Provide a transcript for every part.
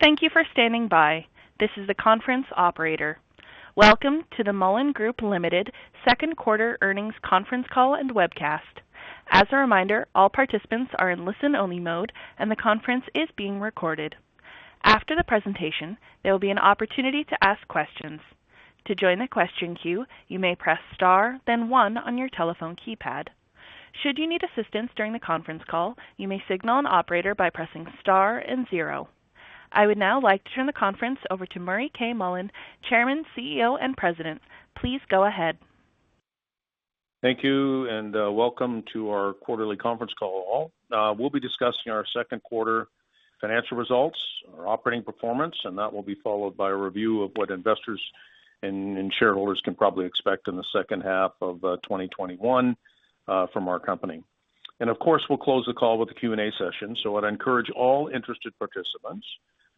Thank you for standing by. This is the conference operator. Welcome to the Mullen Group Limited Second Quarter Earnings Conference Call and Webcast. As a reminder, all participants are in listen-only mode, and the conference is being recorded. After the presentation, there will be an opportunity to ask questions. To join the question queue, you may press star then one on your telephone keypad. Should you need assistance during the conference call, you may signal an operator by pressing star and zero. I would now like to turn the conference over to Murray K. Mullen, Chairman, CEO, and President. Please go ahead. Thank you and welcome to our quarterly conference call, all. We'll be discussing our second quarter financial results, our operating performance, and that will be followed by a review of what investors and shareholders can probably expect in the second half of 2021 from our company. Of course, we'll close the call with a Q&A session. I'd encourage all interested participants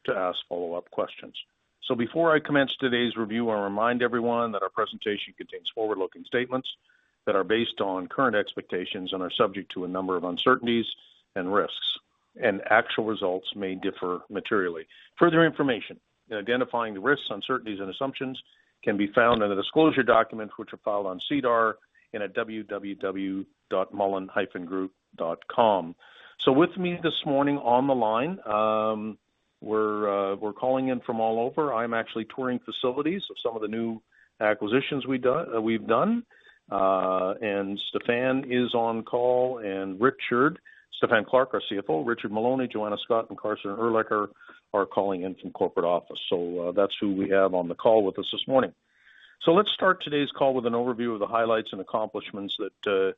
to ask follow-up questions. Before I commence today's review, I remind everyone that our presentation contains forward-looking statements that are based on current expectations and are subject to a number of uncertainties and risks, and actual results may differ materially. Further information in identifying the risks, uncertainties, and assumptions can be found in the disclosure documents, which are filed on SEDAR and at www.mullen-group.com. With me this morning on the line, we're calling in from all over. I'm actually touring facilities of some of the new acquisitions we've done. Stephen is on call, and Richard. Stephen Clark, our CFO, Richard Maloney, Joanna Scott, and Carson Urlacher are calling in from corporate office. That's who we have on the call with us this morning. Let's start today's call with an overview of the highlights and accomplishments that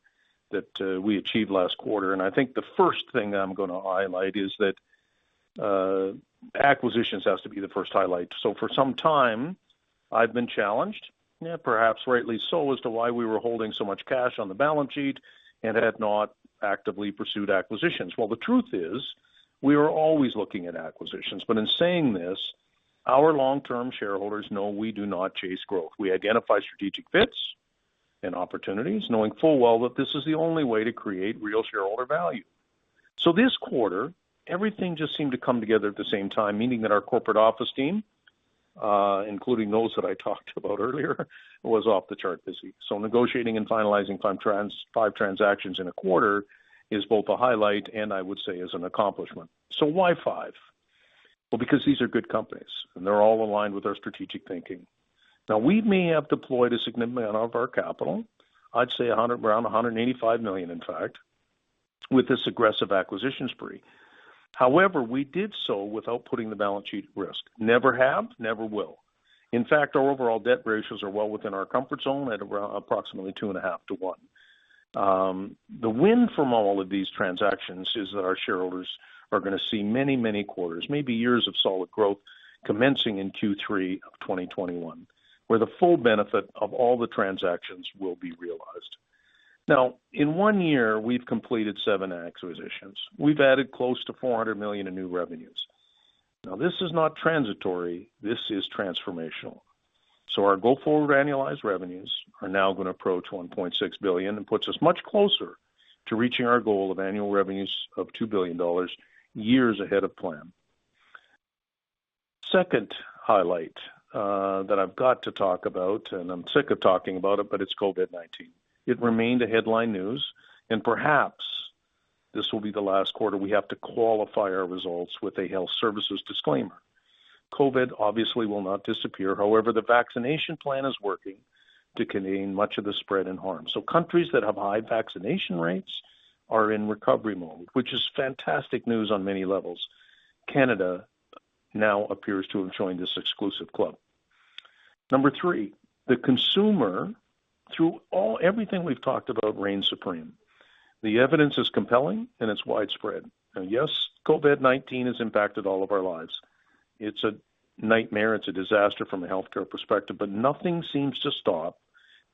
we achieved last quarter. I think the first thing that I'm going to highlight is that acquisitions has to be the first highlight. For some time, I've been challenged, perhaps rightly so, as to why we were holding so much cash on the balance sheet and had not actively pursued acquisitions. Well, the truth is, we are always looking at acquisitions. In saying this, our long-term shareholders know we do not chase growth. We identify strategic fits and opportunities, knowing full well that this is the only way to create real shareholder value. This quarter, everything just seemed to come together at the same time, meaning that our corporate office team, including those that I talked about earlier, was off the chart busy. Negotiating and finalizing five transactions in a quarter is both a highlight, and I would say is an accomplishment. Why five? Well, because these are good companies, and they're all aligned with our strategic thinking. Now, we may have deployed a significant amount of our capital, I'd say around 185 million, in fact, with this aggressive acquisition spree. However, we did so without putting the balance sheet at risk. Never have, never will. In fact, our overall debt ratios are well within our comfort zone at around approximately 2.5:1. The win from all of these transactions is that our shareholders are going to see many, many quarters, maybe years of solid growth commencing in Q3 of 2021, where the full benefit of all the transactions will be realized. Now, in one year, we've completed seven acquisitions. We've added close to 400 million in new revenues. This is not transitory, this is transformational. Our go-forward annualized revenues are now going to approach 1.6 billion and puts us much closer to reaching our goal of annual revenues of 2 billion dollars years ahead of plan. Second highlight that I've got to talk about, and I'm sick of talking about it, but it's COVID-19. It remained a headline news, perhaps this will be the last quarter we have to qualify our results with a health services disclaimer. COVID obviously will not disappear. However, the vaccination plan is working to contain much of the spread and harm. Countries that have high vaccination rates are in recovery mode, which is fantastic news on many levels. Canada now appears to have joined this exclusive club. Number three, the consumer, through everything we've talked about, reigns supreme. The evidence is compelling, and it's widespread. Yes, COVID-19 has impacted all of our lives. It's a nightmare, it's a disaster from a healthcare perspective, but nothing seems to stop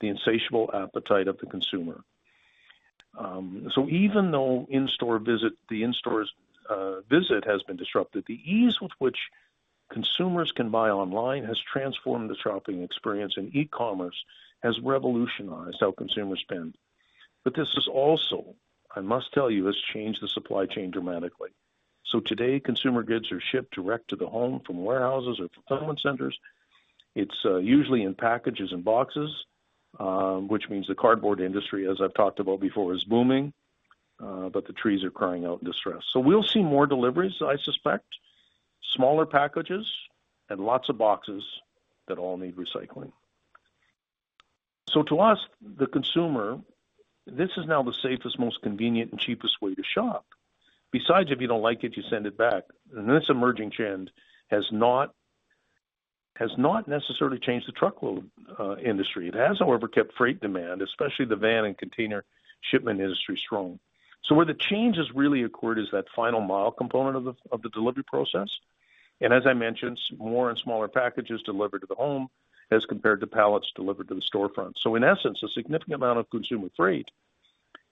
the insatiable appetite of the consumer. Even though the in-store visit has been disrupted, the ease with which consumers can buy online has transformed the shopping experience, and e-commerce has revolutionized how consumers spend. This has also, I must tell you, changed the supply chain dramatically. Today, consumer goods are shipped direct to the home from warehouses or fulfillment centers. It's usually in packages and boxes, which means the cardboard industry, as I've talked about before, is booming, but the trees are crying out in distress. We'll see more deliveries, I suspect, smaller packages, and lots of boxes that all need recycling. To us, the consumer, this is now the safest, most convenient, and cheapest way to shop. Besides, if you don't like it, you send it back. This emerging trend has not necessarily changed the truckload industry. It has, however, kept freight demand, especially the van and container shipment industry, strong. Where the change has really occurred is that final mile component of the delivery process. As I mentioned, more and smaller packages delivered to the home as compared to pallets delivered to the storefront. In essence, a significant amount of consumer freight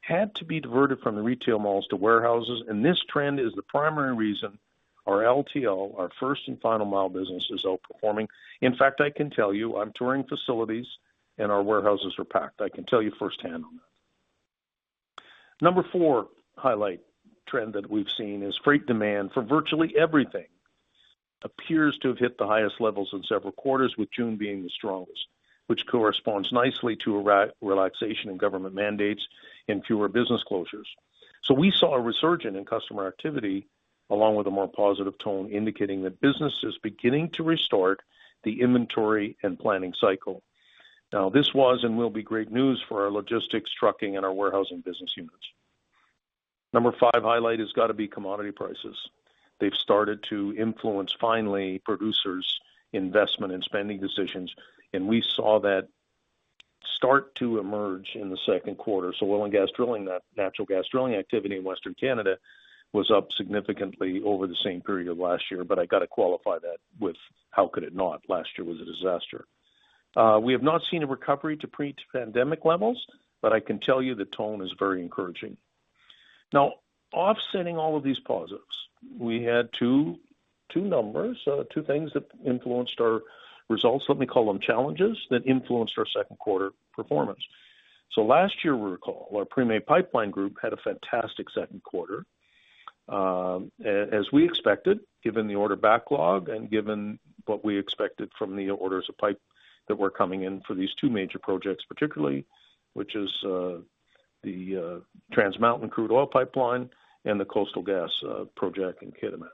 had to be diverted from the retail malls to warehouses, and this trend is the primary reason our LTL, our first and final mile business, is outperforming. In fact, I can tell you, I'm touring facilities, and our warehouses are packed. I can tell you firsthand on that. Number four highlight trend that we've seen is freight demand for virtually everything appears to have hit the highest levels in several quarters, with June being the strongest, which corresponds nicely to a relaxation in government mandates and fewer business closures. We saw a resurgence in customer activity along with a more positive tone indicating that business is beginning to restart the inventory and planning cycle. This was and will be great news for our logistics, trucking, and our warehousing business units. Number five highlight has got to be commodity prices. They've started to influence, finally, producers' investment and spending decisions, and we saw that start to emerge in the second quarter. Oil and gas drilling, that natural gas drilling activity in Western Canada was up significantly over the same period last year, but I got to qualify that with how could it not? Last year was a disaster. We have not seen a recovery to pre-pandemic levels, but I can tell you the tone is very encouraging. Now, offsetting all of these positives, we had two numbers, two things that influenced our results, let me call them challenges that influenced our second quarter performance. Last year, recall, our Premay Pipeline group had a fantastic second quarter, as we expected, given the order backlog and given what we expected from the orders of pipe that were coming in for these two major projects, particularly, which is the Trans Mountain crude oil pipeline and the Coastal GasLink project in Kitimat.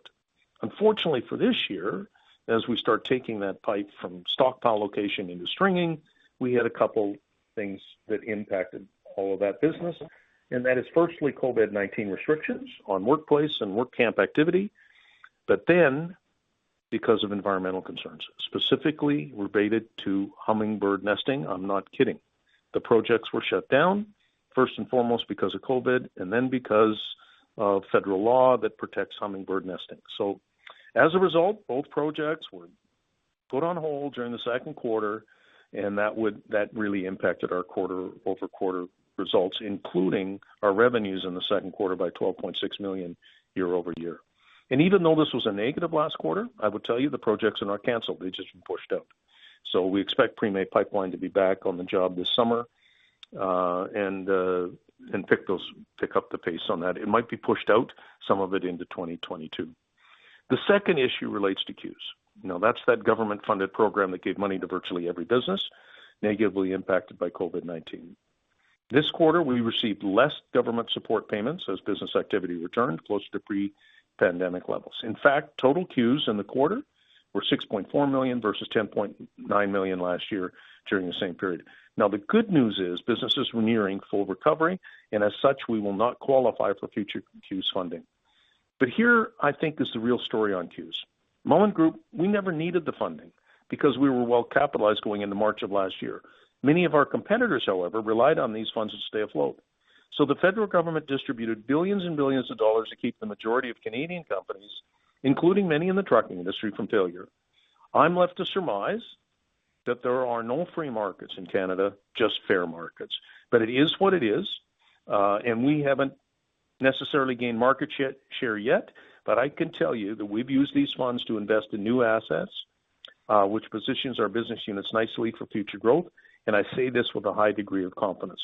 Unfortunately, for this year, as we start taking that pipe from stockpile location into stringing, we had a couple things that impacted all of that business, and that is firstly, COVID-19 restrictions on workplace and work camp activity. Because of environmental concerns, specifically related to hummingbird nesting. I'm not kidding. The projects were shut down first and foremost because of COVID and then because of federal law that protects hummingbird nesting. As a result, both projects were put on hold during the second quarter, and that really impacted our quarter-over-quarter results, including our revenues in the second quarter by 12.6 million year-over-year. Even though this was a negative last quarter, I would tell you the projects are not canceled, they've just been pushed out. We expect Premay Pipeline to be back on the job this summer, and pick up the pace on that. It might be pushed out, some of it into 2022. The second issue relates to CEWS. That's that government-funded program that gave money to virtually every business negatively impacted by COVID-19. This quarter, we received less government support payments as business activity returned close to pre-pandemic levels. In fact, total CEWS in the quarter were 6.4 million versus 10.9 million last year during the same period. The good news is businesses were nearing full recovery, and as such, we will not qualify for future CEWS funding. Here I think is the real story on CEWS. Mullen Group, we never needed the funding because we were well-capitalized going into March of last year. Many of our competitors, however, relied on these funds to stay afloat. The federal government distributed billions and billions dollars to keep the majority of Canadian companies, including many in the trucking industry, from failure. I'm left to surmise that there are no free markets in Canada, just fair markets. It is what it is. We haven't necessarily gained market share yet, but I can tell you that we've used these funds to invest in new assets, which positions our business units nicely for future growth. I say this with a high degree of confidence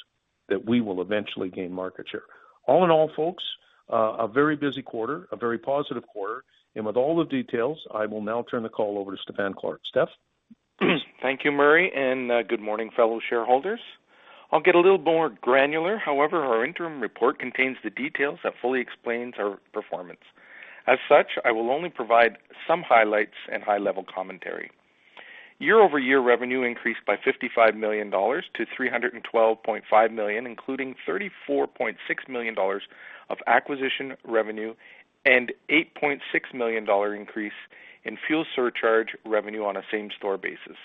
that we will eventually gain market share. All in all, folks, a very busy quarter, a very positive quarter. With all the details, I will now turn the call over to Stephen Clark. Steph? Thank you, Murray, and good morning, fellow shareholders. I'll get a little more granular. However, our interim report contains the details that fully explains our performance. As such, I will only provide some highlights and high-level commentary. Year-over-year revenue increased by 55 million-312.5 million dollars, including 34.6 million dollars of acquisition revenue and 8.6 million dollar increase in fuel surcharge revenue on a same-store basis.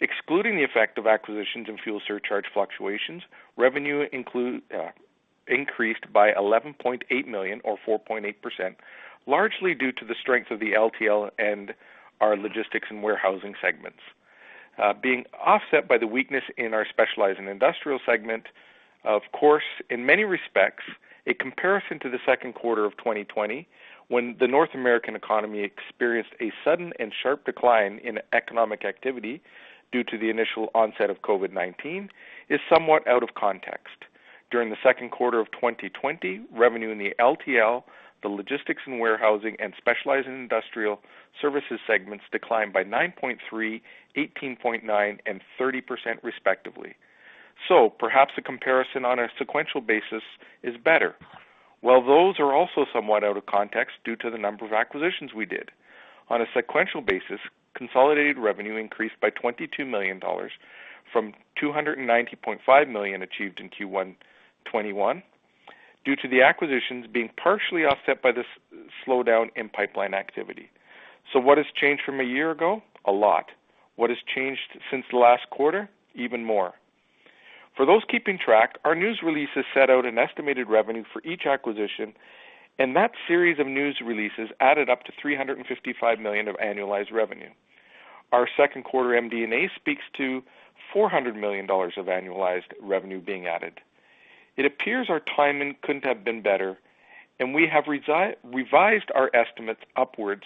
Excluding the effect of acquisitions and fuel surcharge fluctuations, revenue increased by 11.8 million or 4.8%, largely due to the strength of the LTL and our Logistics and Warehousing segments, being offset by the weakness in our Specialized and Industrial segment. Of course, in many respects, a comparison to the second quarter of 2020, when the North American economy experienced a sudden and sharp decline in economic activity due to the initial onset of COVID-19, is somewhat out of context. During the second quarter of 2020, revenue in the LTL, the logistics and warehousing, and specialized and industrial services segments declined by 9.3%, 18.9%, and 30% respectively. Perhaps a comparison on a sequential basis is better. While those are also somewhat out of context due to the number of acquisitions we did. On a sequential basis, consolidated revenue increased by 22 million dollars from 290.5 million achieved in Q1 2021 due to the acquisitions being partially offset by the slowdown in pipeline activity. What has changed from a year ago? A lot. What has changed since last quarter? Even more. For those keeping track, our news releases set out an estimated revenue for each acquisition, and that series of news releases added up to 355 million of annualized revenue. Our second quarter MD&A speaks to 400 million dollars of annualized revenue being added. It appears our timing couldn't have been better, and we have revised our estimates upwards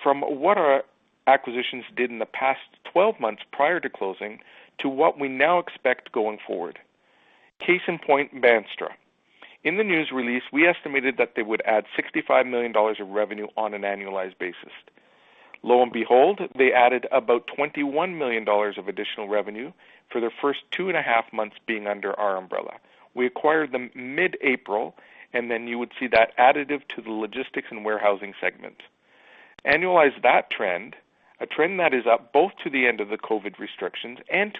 from what our acquisitions did in the past 12 months prior to closing to what we now expect going forward. Case in point, Bandstra. In the news release, we estimated that they would add 65 million dollars of revenue on an annualized basis. Lo and behold, they added about 21 million dollars of additional revenue for their first two and a half months being under our umbrella. We acquired them mid-April, and then you would see that additive to the logistics and warehousing segment. Annualize that trend, a trend that is up both to the end of the COVID restrictions and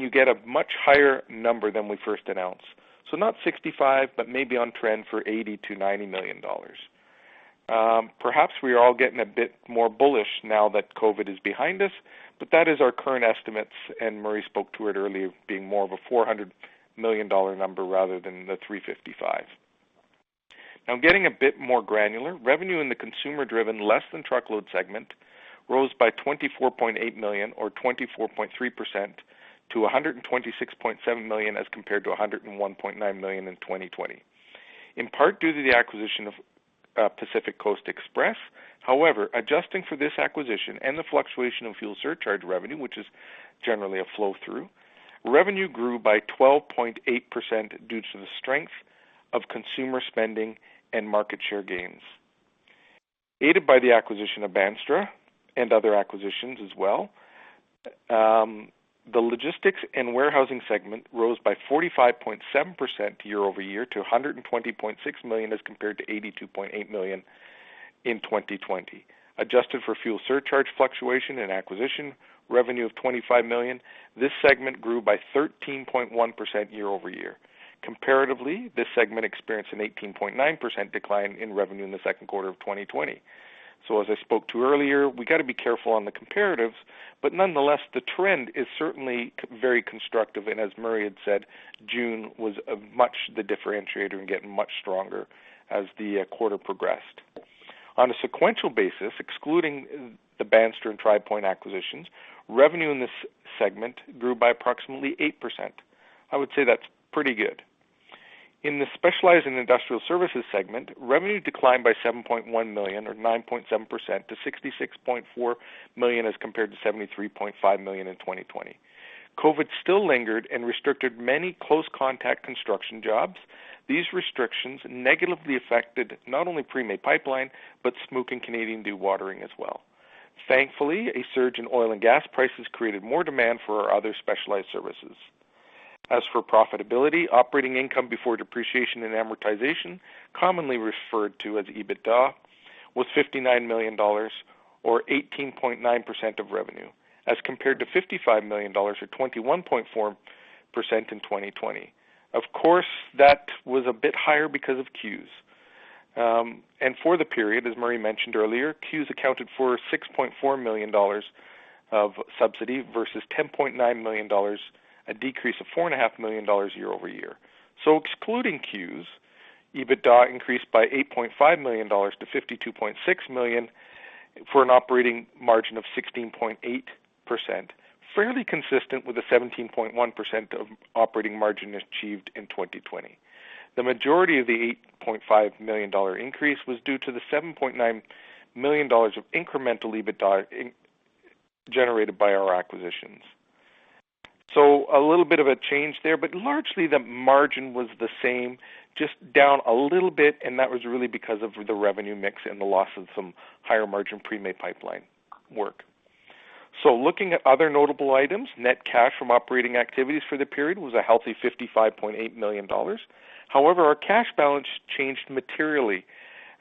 you get a much higher number than we first announced. Not 65, but maybe on trend for 80 million-90 million dollars. Perhaps we are all getting a bit more bullish now that COVID is behind us, but that is our current estimates, and Murray spoke to it earlier of being more of a 400 million dollar number rather than the 355 million. Getting a bit more granular, revenue in the consumer-driven, less than truckload segment rose by 24.8 million or 24.3% to 126.7 million as compared to 101.9 million in 2020. In part due to the acquisition of Pacific Coast Express, however, adjusting for this acquisition and the fluctuation of fuel surcharge revenue, which is generally a flow-through, revenue grew by 12.8% due to the strength of consumer spending and market share gains. Aided by the acquisition of Bandstra and other acquisitions as well, the logistics and warehousing segment rose by 45.7% year-over-year to 120.6 million as compared to 82.8 million in 2020. Adjusted for fuel surcharge fluctuation and acquisition revenue of 25 million, this segment grew by 13.1% year-over-year. Comparatively, this segment experienced an 18.9% decline in revenue in the second quarter of 2020. As I spoke to earlier, we got to be careful on the comparatives, but nonetheless, the trend is certainly very constructive, and as Murray had said, June was much the differentiator and getting much stronger as the quarter progressed. On a sequential basis, excluding the Bandstra and Tri Point acquisitions, revenue in this segment grew by approximately 8%. I would say that's pretty good. In the Specialized and Industrial Services segment, revenue declined by 7.1 million or 9.7% to 66.4 million as compared to 73.5 million in 2020. COVID still lingered and restricted many close contact construction jobs. These restrictions negatively affected not only Premay Pipeline, but Smook and Canadian Dewatering as well. Thankfully, a surge in oil and gas prices created more demand for our other specialized services. As for profitability, operating income before depreciation and amortization, commonly referred to as EBITDA, was 59 million dollars or 18.9% of revenue as compared to 55 million dollars or 21.4% in 2020. Of course, that was a bit higher because of CEWS. For the period, as Murray mentioned earlier, CEWS accounted for 6.4 million dollars of subsidy versus 10.9 million dollars, a decrease of 4.5 million dollars year-over-year. Excluding CEWS, EBITDA increased by 8.5 million dollars to 52.6 million for an operating margin of 16.8%, fairly consistent with the 17.1% of operating margin achieved in 2020. The majority of the 8.5 million dollar increase was due to the 7.9 million dollars of incremental EBITDA generated by our acquisitions. A little bit of a change there, but largely the margin was the same, just down a little bit, and that was really because of the revenue mix and the loss of some higher margin Premay Pipeline work. Looking at other notable items, net cash from operating activities for the period was a healthy 55.8 million dollars. However, our cash balance changed materially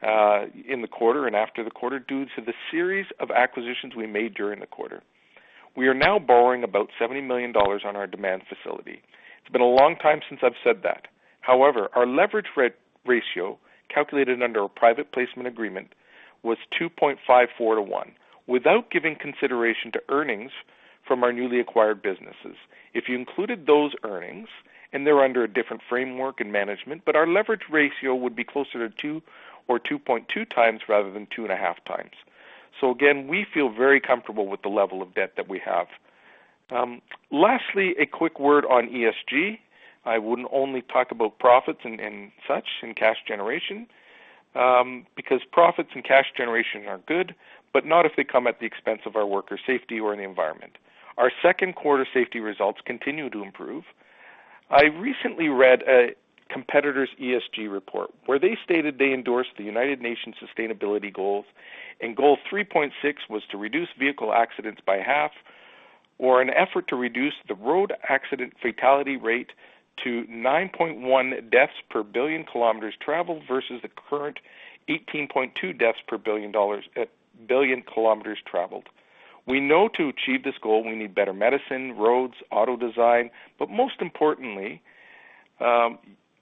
in the quarter and after the quarter due to the series of acquisitions we made during the quarter. We are now borrowing about 70 million dollars on our demand facility. It's been a long time since I've said that. However, our leverage ratio, calculated under a private placement agreement, was 2.54:1 without giving consideration to earnings from our newly acquired businesses. If you included those earnings, and they're under a different framework and management, our leverage ratio would be closer to 2 or 2.2x rather than 2.5x. Again, we feel very comfortable with the level of debt that we have. Lastly, a quick word on ESG. I wouldn't only talk about profits and such and cash generation, because profits and cash generation are good, but not if they come at the expense of our workers' safety or the environment. Our second quarter safety results continue to improve. I recently read a competitor's ESG report where they stated they endorsed the United Nations sustainability goals, and goal 3.6 was to reduce vehicle accidents by half or an effort to reduce the road accident fatality rate to 9.1 deaths per billion kilometers traveled versus the current 18.2 deaths per billion kilometers traveled. We know to achieve this goal, we need better medicine, roads, auto design, but most importantly,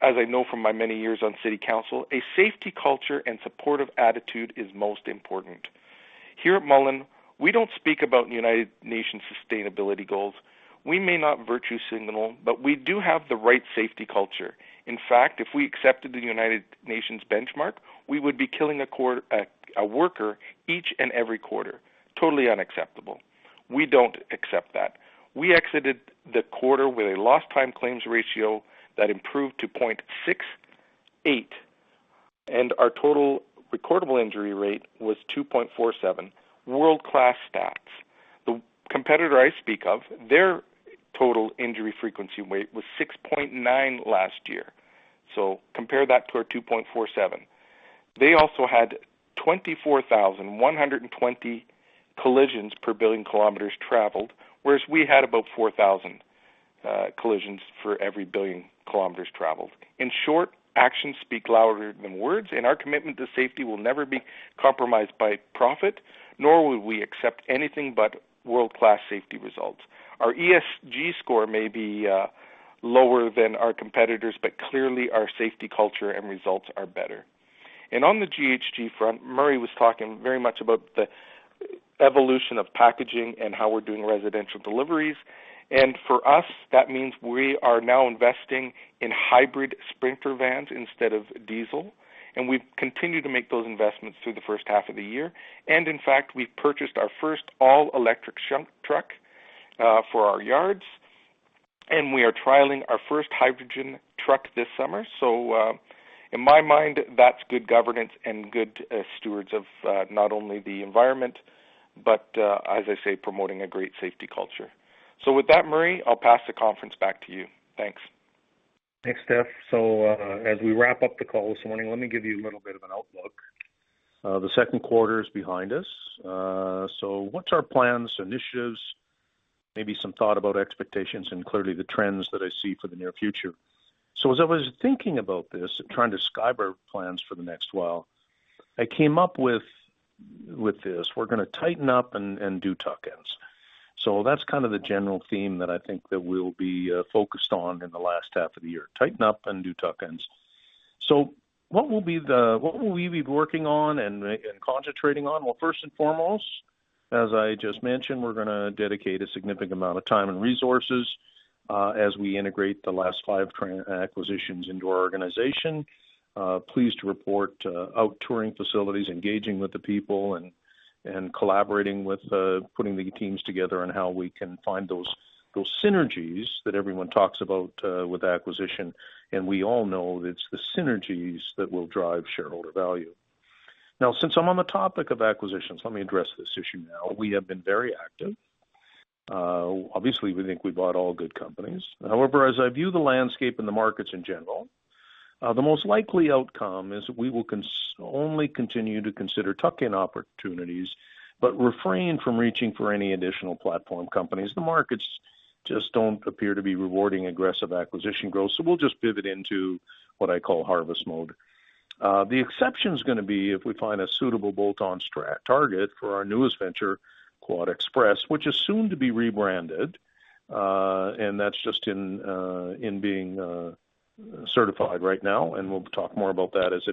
as I know from my many years on city council, a safety culture and supportive attitude is most important. Here at Mullen, we don't speak about United Nations sustainability goals. We may not virtue signal, but we do have the right safety culture. In fact, if we accepted the United Nations benchmark, we would be killing a worker each and every quarter. Totally unacceptable. We don't accept that. We exited the quarter with a lost time claims ratio that improved to 0.68. Our total recordable injury rate was 2.47. World-class stats. The competitor I speak of, their total injury frequency rate was 6.9 last year. Compare that to our 2.47. They also had 24,120 collisions per billion kilometers traveled, whereas we had about 4,000 collisions for every billion kilometers traveled. In short, actions speak louder than words, and our commitment to safety will never be compromised by profit, nor will we accept anything but world-class safety results. Our ESG score may be lower than our competitors, but clearly our safety culture and results are better. On the GHG front, Murray was talking very much about the evolution of packaging and how we're doing residential deliveries. For us, that means we are now investing in hybrid Sprinter vans instead of diesel, and we've continued to make those investments through the first half of the year. In fact, we've purchased our first all-electric shunt truck for our yards, and we are trialing our first hydrogen truck this summer. In my mind, that's good governance and good stewards of not only the environment, but as I say, promoting a great safety culture. With that, Murray, I'll pass the conference back to you. Thanks. Thanks, Steph. As we wrap up the call this morning, let me give you a little bit of an outlook. The second quarter is behind us. What's our plans, initiatives, maybe some thought about expectations and clearly the trends that I see for the near future. As I was thinking about this and trying to sketch out plans for the next while, I came up with this. We're going to tighten up and do tuck-ins. That's kind of the general theme that I think that we'll be focused on in the last half of the year, tighten up and do tuck-ins. What will we be working on and concentrating on? First and foremost, as I just mentioned, we're going to dedicate a significant amount of time and resources as we integrate the last five acquisitions into our organization. Pleased to report out touring facilities, engaging with the people, and collaborating with putting the teams together on how we can find those synergies that everyone talks about with acquisition. We all know that it's the synergies that will drive shareholder value. Since I'm on the topic of acquisitions, let me address this issue now. We have been very active. Obviously, we think we bought all good companies. However, as I view the landscape and the markets in general, the most likely outcome is we will only continue to consider tuck-in opportunities, but refrain from reaching for any additional platform companies. The markets just don't appear to be rewarding aggressive acquisition growth. We'll just pivot into what I call harvest mode. The exception's going to be if we find a suitable bolt-on target for our newest venture, QuadExpress, which is soon to be rebranded. That's just in being certified right now, and we'll talk more about that as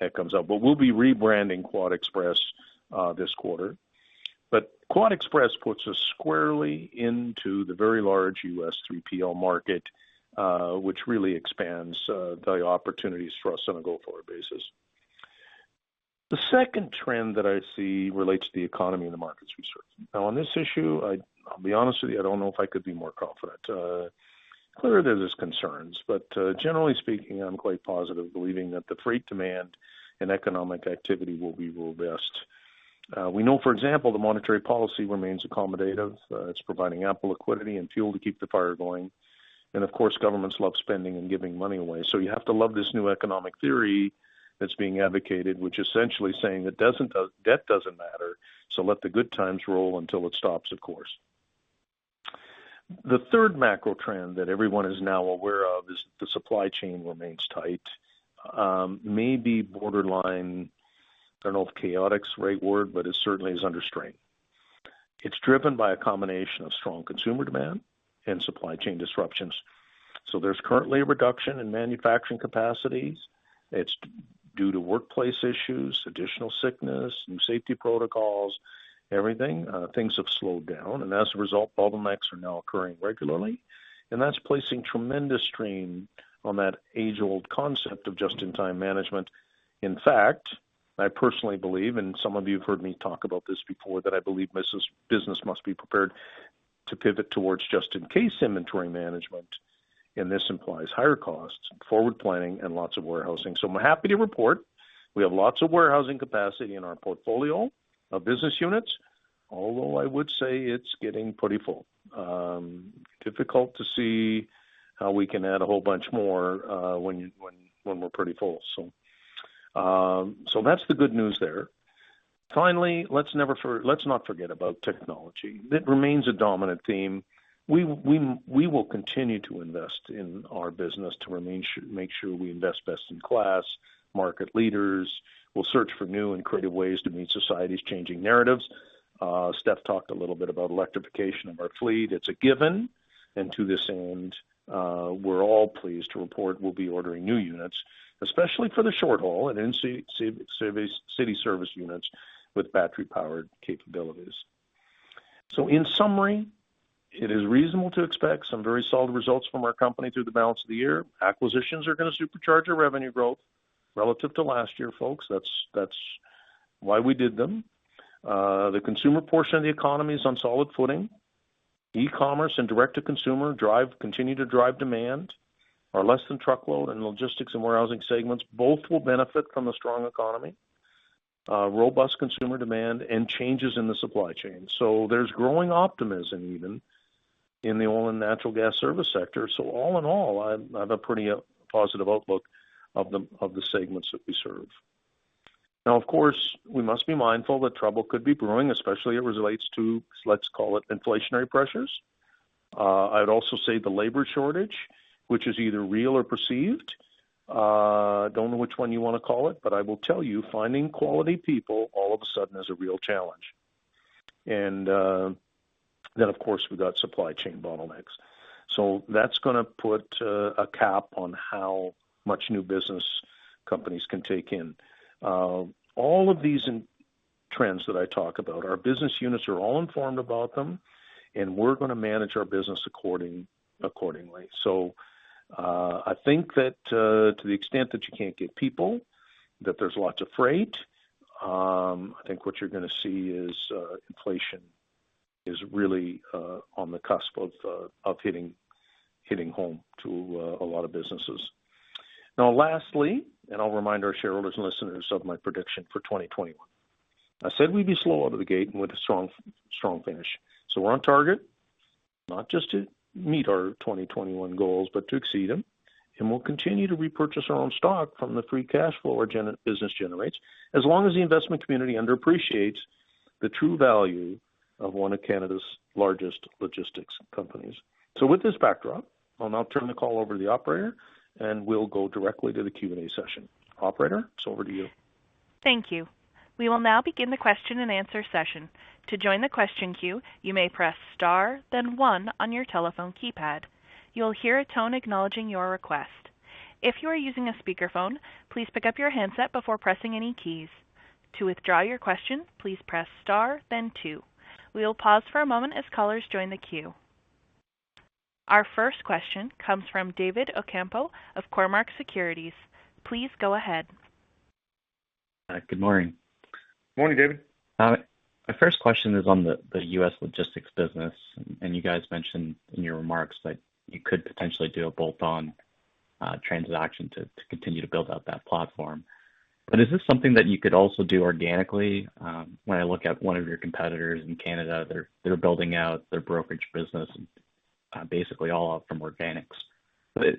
it comes up. We'll be rebranding QuadExpress this quarter. QuadExpress puts us squarely into the very large U.S. 3PL market, which really expands the opportunities for us on a go-forward basis. The second trend that I see relates to the economy and the markets we serve. On this issue, I'll be honest with you, I don't know if I could be more confident. Clearly, there's concerns, but generally speaking, I'm quite positive, believing that the freight demand and economic activity will be robust. We know, for example, the monetary policy remains accommodative. It's providing ample liquidity and fuel to keep the fire going. Of course, governments love spending and giving money away. You have to love this new economic theory that's being advocated, which essentially saying that debt doesn't matter, so let the good times roll until it stops, of course. The third macro trend that everyone is now aware of is the supply chain remains tight. Maybe borderline, I don't know if chaotic is the right word, but it certainly is under strain. It's driven by a combination of strong consumer demand and supply chain disruptions. There's currently a reduction in manufacturing capacities. It's due to workplace issues, additional sickness, new safety protocols, everything. Things have slowed down, and as a result, bottlenecks are now occurring regularly, and that's placing tremendous strain on that age-old concept of just-in-time management. In fact, I personally believe, and some of you have heard me talk about this before, that I believe business must be prepared to pivot towards just-in-case inventory management, and this implies higher costs, forward planning, and lots of warehousing. I'm happy to report we have lots of warehousing capacity in our portfolio of business units, although I would say it's getting pretty full. Difficult to see how we can add a whole bunch more when we're pretty full. That's the good news there. Finally, let's not forget about technology. That remains a dominant theme. We will continue to invest in our business to make sure we invest best in class, market leaders. We'll search for new and creative ways to meet society's changing narratives. Steph talked a little bit about electrification of our fleet. It's a given. To this end, we're all pleased to report we'll be ordering new units, especially for the short haul and city service units with battery-powered capabilities. In summary, it is reasonable to expect some very solid results from our company through the balance of the year. Acquisitions are going to supercharge our revenue growth relative to last year, folks. That's why we did them. The consumer portion of the economy is on solid footing. e-commerce and direct-to-consumer continue to drive demand. Our less-than-truckload and logistics and warehousing segments both will benefit from the strong economy, robust consumer demand, and changes in the supply chain. There's growing optimism even in the oil and natural gas service sector. All in all, I have a pretty positive outlook of the segments that we serve. Now, of course, we must be mindful that trouble could be brewing, especially as it relates to, let's call it inflationary pressures. I'd also say the labor shortage, which is either real or perceived. Don't know which one you want to call it, but I will tell you, finding quality people all of a sudden is a real challenge. Of course, we've got supply chain bottlenecks. That's going to put a cap on how much new business companies can take in. All of these trends that I talk about, our business units are all informed about them, and we're going to manage our business accordingly. I think that to the extent that you can't get people, that there's lots of freight. I think what you're going to see is inflation is really on the cusp of hitting home to a lot of businesses. Lastly, I'll remind our shareholders and listeners of my prediction for 2021. I said we'd be slow out of the gate and with a strong finish. We're on target, not just to meet our 2021 goals, but to exceed them. We'll continue to repurchase our own stock from the free cash flow our business generates, as long as the investment community underappreciates the true value of one of Canada's largest logistics companies. With this backdrop, I'll now turn the call over to the operator, we'll go directly to the Q&A session. Operator, it's over to you. Thank you. We will now begin the question-and-answer session. To join the question queue, you may press star one on your telephone keypad. You'll hear a tone acknowledging your request. If you are using a speakerphone, please pick up your handset before pressing any keys. To withdraw your question, please press star then two. We will pause for a moment as callers join the queue. Our first question comes from David Ocampo of Cormark Securities. Please go ahead. Good morning. Morning, David. My first question is on the U.S. logistics business, and you guys mentioned in your remarks that you could potentially do a bolt-on transaction to continue to build out that platform. Is this something that you could also do organically? When I look at one of your competitors in Canada, they're building out their brokerage business basically all out from organics.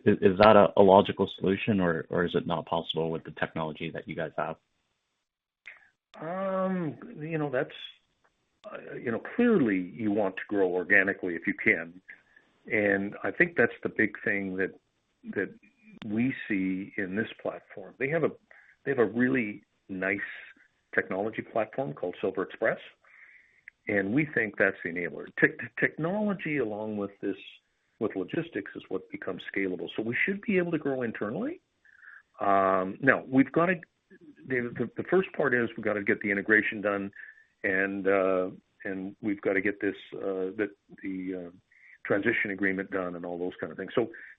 Is that a logical solution, or is it not possible with the technology that you guys have? You know, clearly you want to grow organically if you can, and I think that's the big thing that we see in this platform. They have a really nice technology platform called SilverExpress, and we think that's the enabler. Technology along with logistics is what becomes scalable. We should be able to grow internally. Now, the first part is we've got to get the integration done, and we've got to get the transition agreement done and all those kinds of things.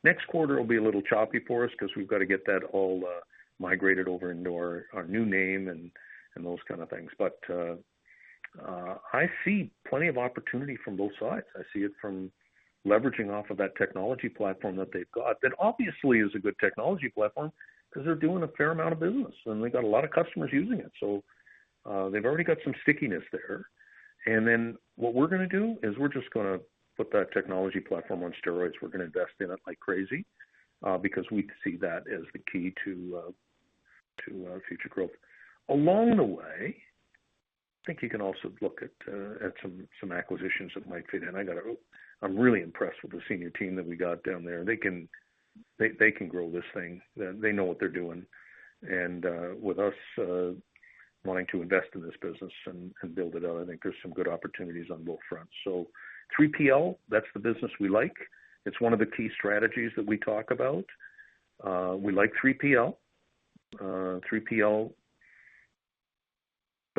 Next quarter will be a little choppy for us because we've got to get that all migrated over into our new name and those kinds of things. I see plenty of opportunity from both sides. I see it from leveraging off of that technology platform that they've got. That obviously is a good technology platform because they're doing a fair amount of business, and they've got a lot of customers using it. They've already got some stickiness there. What we're going to do is we're just going to put that technology platform on steroids. We're going to invest in it like crazy because we see that as the key to our future growth. Along the way, I think you can also look at some acquisitions that might fit in. I'm really impressed with the senior team that we got down there. They can grow this thing. They know what they're doing. With us wanting to invest in this business and build it out, I think there's some good opportunities on both fronts, so 3PL, that's the business we like. It's one of the key strategies that we talk about. We like 3PL.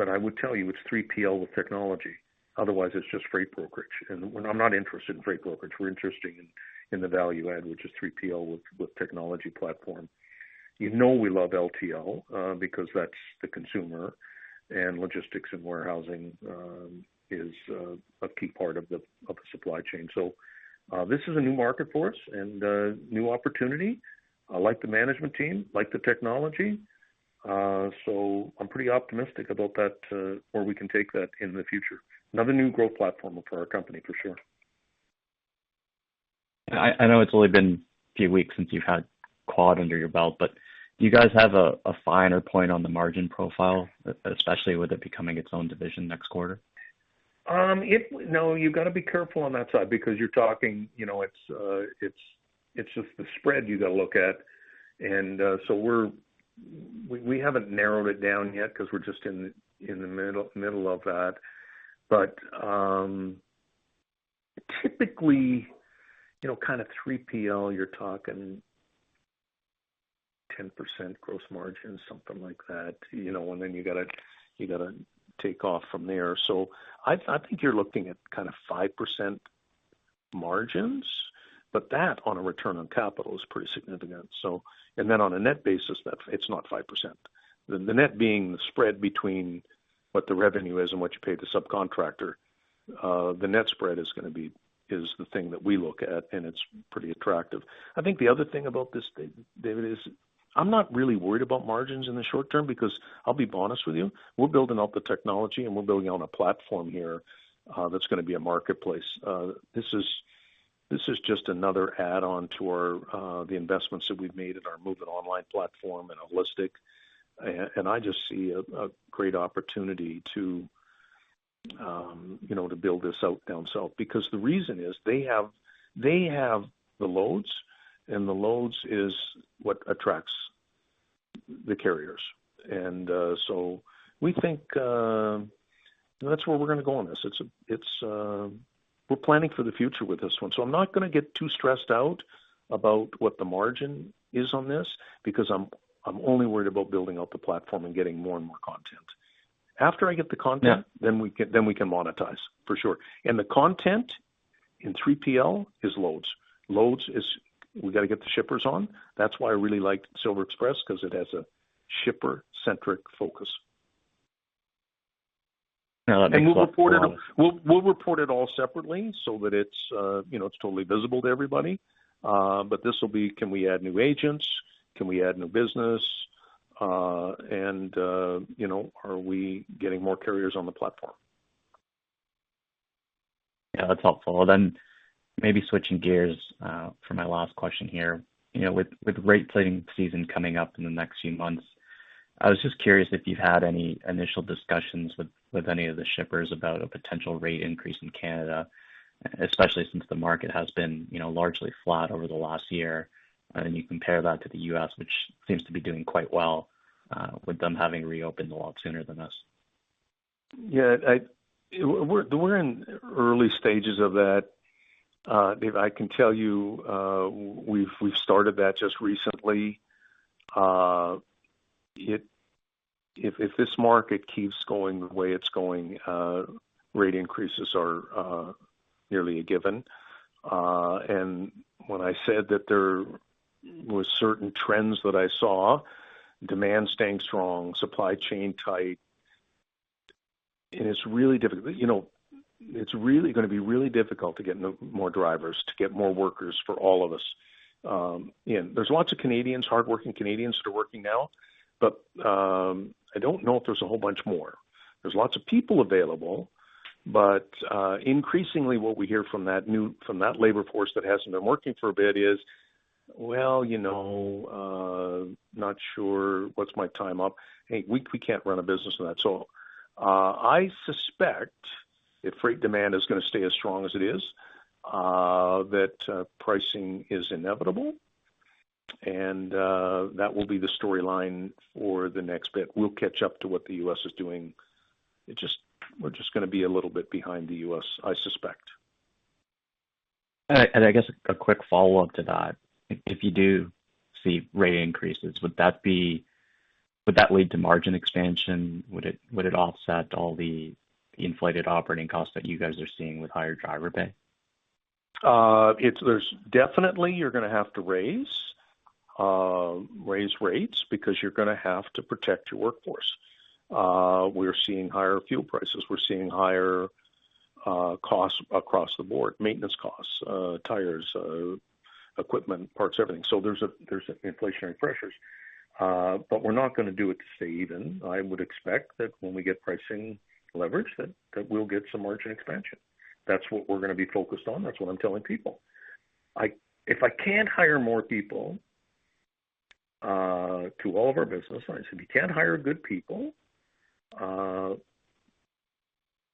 I would tell you, it's 3PL with technology. Otherwise, it's just freight brokerage. I'm not interested in freight brokerage. We're interested in the value add, which is 3PL with technology platform. You know we love LTL because that's the consumer, and logistics and warehousing is a key part of the supply chain. This is a new market for us and a new opportunity. I like the management team, like the technology. I'm pretty optimistic about that, where we can take that in the future. Another new growth platform for our company, for sure. I know it's only been a few weeks since you've had Quad under your belt, but do you guys have a finer point on the margin profile, especially with it becoming its own division next quarter? No, you've got to be careful on that side because you're talking, it's just the spread you got to look at. We haven't narrowed it down yet because we're just in the middle of that. Typically, kind of 3PL, you're talking 10% gross margin, something like that. Then you got to take off from there. I think you're looking at kind of 5% margins. That on a return on capital is pretty significant. Then on a net basis, it's not 5%. The net being the spread between what the revenue is and what you pay the subcontractor. The net spread is the thing that we look at, and it's pretty attractive. I think the other thing about this, David, is I'm not really worried about margins in the short term because I'll be honest with you, we're building out the technology and we're building on a platform here that's going to be a marketplace. This is just another add-on to the investments that we've made in our Moveitonline platform and HAUListic, and I just see a great opportunity to build this out down south. The reason is they have the loads, and the loads is what attracts the carriers. We think that's where we're going to go on this. We're planning for the future with this one. I'm not going to get too stressed out about what the margin is on this because I'm only worried about building out the platform and getting more and more content. Yeah. We can monetize, for sure. The content in 3PL is loads. Loads is we got to get the shippers on. That's why I really liked SilverExpress because it has a shipper-centric focus. Yeah. That's helpful. We'll report it all separately so that it's totally visible to everybody. This will be. Can we add new agents? Can we add new business? And, you know, are we getting more carriers on the platform? Yeah, that's helpful. Maybe switching gears for my last question here. With rate setting season coming up in the next few months, I was just curious if you've had any initial discussions with any of the shippers about a potential rate increase in Canada, especially since the market has been largely flat over the last year, and you compare that to the U.S., which seems to be doing quite well, with them having reopened a lot sooner than us. Yeah. We're in early stages of that. Dave, I can tell you, we've started that just recently. If this market keeps going the way it's going, rate increases are nearly a given. When I said that there was certain trends that I saw, demand staying strong, supply chain tight, and it's really going to be really difficult to get more drivers, to get more workers for all of us in. There's lots of Canadians, hardworking Canadians that are working now, but I don't know if there's a whole bunch more. There's lots of people available, but increasingly what we hear from that labor force that hasn't been working for a bit is, "Well, not sure. What's my time up?" Hey, we can't run a business on that. I suspect if freight demand is going to stay as strong as it is, that pricing is inevitable, and that will be the storyline for the next bit. We'll catch up to what the U.S. is doing. We're just going to be a little bit behind the U.S., I suspect. I guess a quick follow-up to that. If you do see rate increases, would that lead to margin expansion? Would it offset all the inflated operating costs that you guys are seeing with higher driver pay? Definitely you're going to have to raise rates because you're going to have to protect your workforce. We're seeing higher fuel prices. We're seeing higher costs across the board, maintenance costs, tires, equipment, parts, everything. There's inflationary pressures. We're not going to do it to stay even. I would expect that when we get pricing leverage, that we'll get some margin expansion. That's what we're going to be focused on. That's what I'm telling people. If I can't hire more people to all of our business, and I said, "If you can't hire good people,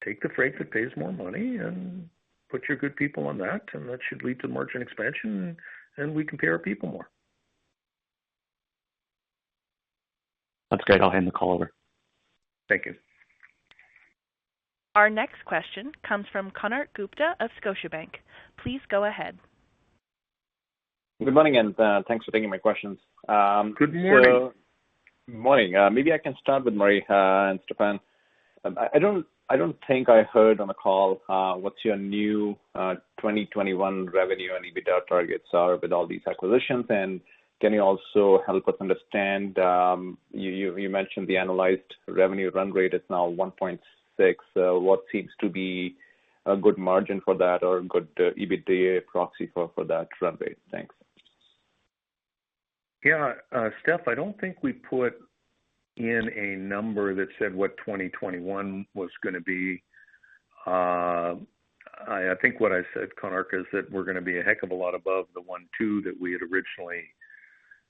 take the freight that pays more money and put your good people on that," and that should lead to margin expansion, and we can pay our people more. That's great. I'll hand the call over. Thank you. Our next question comes from Konark Gupta of Scotiabank. Please go ahead. Good morning, thanks for taking my questions. Good morning. Morning. Maybe I can start with Murray and Stephen. I don't think I heard on the call what your new 2021 revenue and EBITDA targets are with all these acquisitions. Can you also help us understand, you mentioned the annualized revenue run rate is now 1.6 billion, so what seems to be a good margin for that or a good EBITDA proxy for that run rate? Thanks. You know, Steph, I don't think we put in a number that said what 2021 was going to be. I think what I said, Konark, is that we're going to be a heck of a lot above the 1.2 that we had originally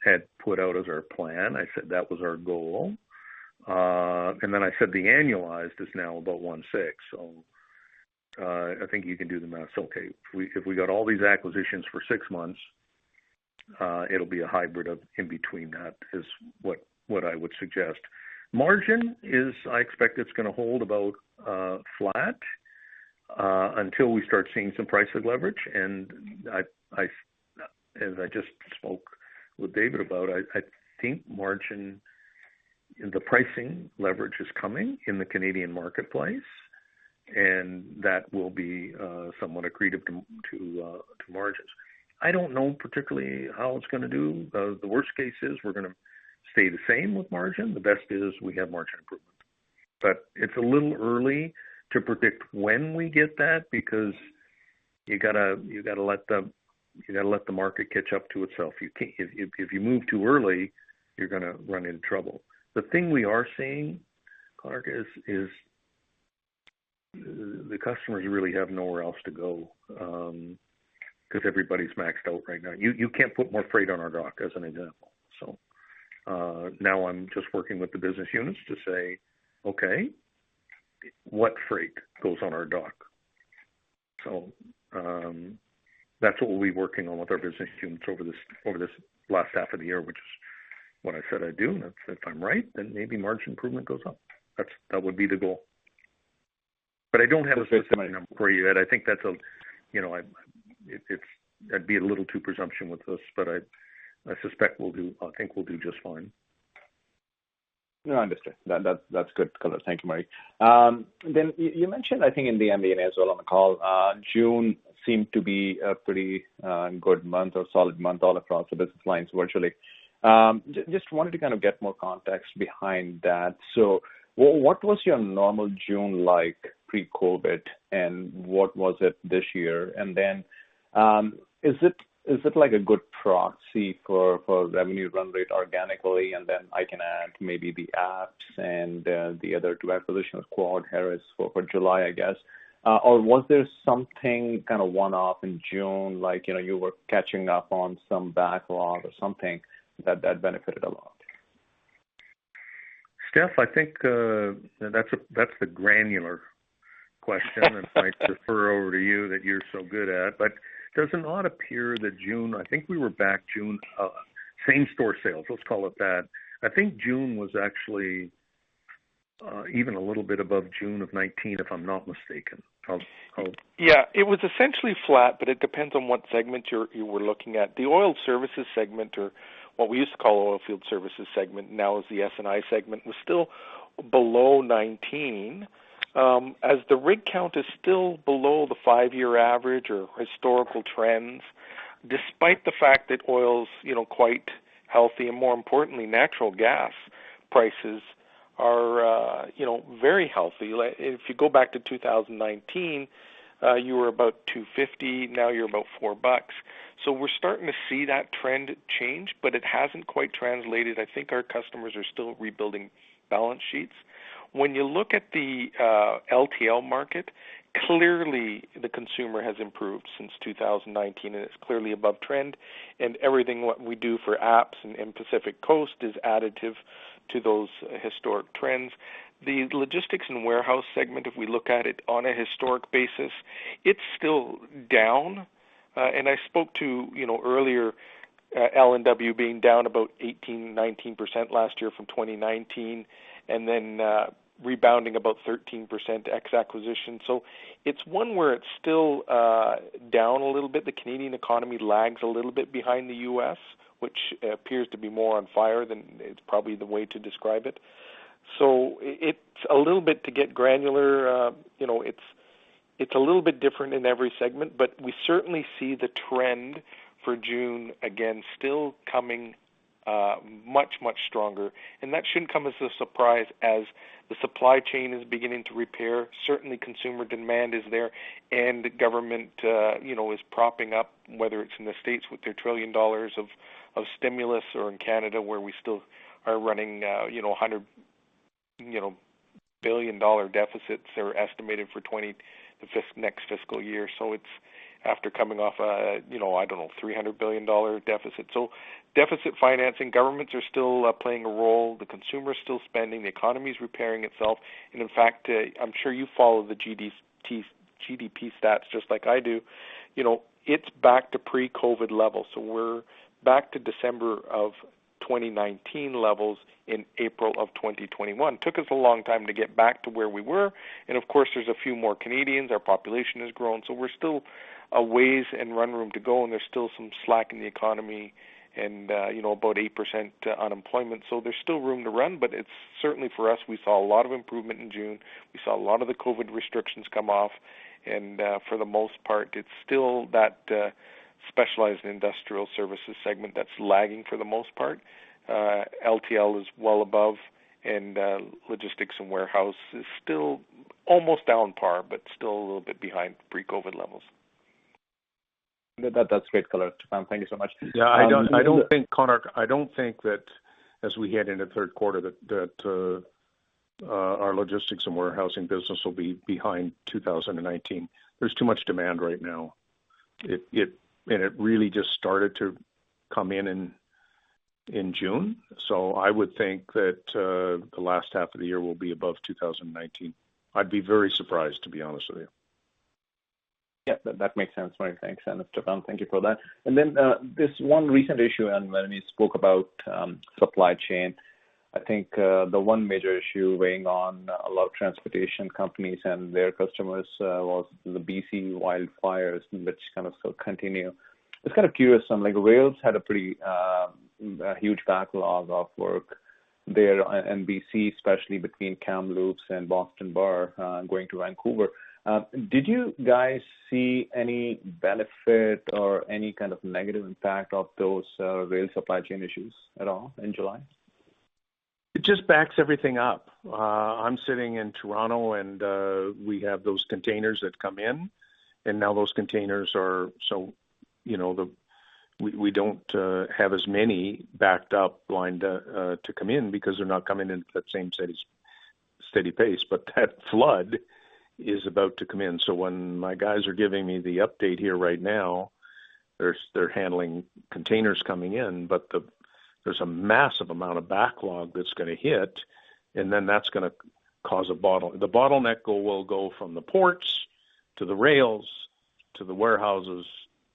had put out as our plan. I said that was our goal. I said the annualized is now about 1.6, I think you can do the math. It's okay. If we got all these acquisitions for six months, it'll be a hybrid of in between that is what I would suggest. Margin is, I expect it's going to hold about flat until we start seeing some price of leverage. As I just spoke with David about, I think margin and the pricing leverage is coming in the Canadian marketplace. That will be somewhat accretive to margins. I don't know particularly how it's going to do. The worst case is we're going to stay the same with margin. The best is we have margin improvement. It's a little early to predict when we get that, because you got to let the market catch up to itself. If you move too early, you're going to run into trouble. The thing we are seeing, [Stephen Clark], is the customers really have nowhere else to go, because everybody's maxed out right now. You can't put more freight on our dock, as an example. Now I'm just working with the business units to say, "Okay, what freight goes on our dock?" That's what we'll be working on with our business units over this last half of the year, which is what I said I'd do. If I'm right, then maybe margin improvement goes up. That would be the goal. I don't have a specific number for you yet. I think that'd be a little too presumptuous with this, but I think we'll do just fine. No, I understand. That's good color. Thank you, Murray. You mentioned, I think in the MD&A as well on the call, June seemed to be a pretty good month or solid month all across the business lines, virtually. Just wanted to kind of get more context behind that. What was your normal June like pre-COVID, and what was it this year? Is it like a good proxy for revenue run rate organically, and then I can add maybe the APPS and the other two acquisitions, Quad/Graphics for July, I guess? Was there something kind of one-off in June, like you were catching up on some backlog or something that benefited a lot? Steph, I think that's the granular question that I'd refer over to you that you're so good at. Does it not appear that June, I think we were back June, same store sales, let's call it that. I think June was actually even a little bit above June of 2019, if I'm not mistaken. Yeah. It was essentially flat, but it depends on what segment you were looking at. The oil services segment, or what we used to call oil field services segment, now is the S&I segment, was still below 2019. As the rig count is still below the five-year average or historical trends, despite the fact that oil's quite healthy and more importantly, natural gas prices are very healthy. If you go back to 2019, you were about 250, now you're about 4 bucks. We're starting to see that trend change, but it hasn't quite translated. I think our customers are still rebuilding balance sheets. When you look at the LTL market, clearly the consumer has improved since 2019, and it's clearly above trend. Everything what we do for APPS and Pacific Coast is additive to those historic trends. The Logistics and Warehouse segment, if we look at it on a historic basis, it's still down. I spoke to earlier L&W being down about 18%-19% last year from 2019, and then rebounding about 13% ex-acquisition. It's one where it's still down a little bit. The Canadian economy lags a little bit behind the U.S., which appears to be more on fire than is probably the way to describe it. It's a little bit to get granular. It's a little bit different in every segment, but we certainly see the trend for June, again, still coming much, much stronger. That shouldn't come as a surprise as the supply chain is beginning to repair. Certainly consumer demand is there and government is propping up, whether it's in the U.S. with their 1 trillion dollars of stimulus or in Canada, where we still are running 100 billion dollar deficits are estimated for next fiscal year. It's after coming off a, I don't know, 300 billion dollar deficit. Deficit financing, governments are still playing a role. The consumer is still spending. The economy is repairing itself. In fact, I'm sure you follow the GDP stats just like I do. It's back to pre-COVID levels. We're back to December of 2019 levels in April of 2021. Took us a long time to get back to where we were. Of course, there's a few more Canadians. Our population has grown, we're still a ways and run room to go, there's still some slack in the economy and about 8% unemployment, there's still room to run. It's certainly for us, we saw a lot of improvement in June. We saw a lot of the COVID restrictions come off, for the most part, it's still that Specialized Industrial Services segment that's lagging for the most part. LTL is well above Logistics and Warehouse is still almost down par, still a little bit behind pre-COVID levels. That's great color. Thank you so much. Yeah, I don't think, Konark, I don't think that as we head into third quarter, that our logistics and warehousing business will be behind 2019. There's too much demand right now. It really just started to come in in June. I would think that the last half of the year will be above 2019. I'd be very surprised, to be honest with you. That makes sense, Murray, thanks. Stephen, thank you for that. This one recent issue, and when we spoke about supply chain, I think the one major issue weighing on a lot of transportation companies and their customers was the B.C. wildfires, which kind of still continue. I was kind of curious, like rails had a pretty huge backlog of work there on B.C., especially between Kamloops and Boston Bar going to Vancouver. Did you guys see any benefit or any kind of negative impact of those rail supply chain issues at all in July? It just backs everything up. I'm sitting in Toronto, we have those containers that come in, now those containers We don't have as many backed up lined up to come in because they're not coming in at that same steady pace. That flood is about to come in. When my guys are giving me the update here right now, they're handling containers coming in, but there's a massive amount of backlog that's going to hit, that's going to cause a bottleneck. The bottleneck will go from the ports to the rails, to the warehouses,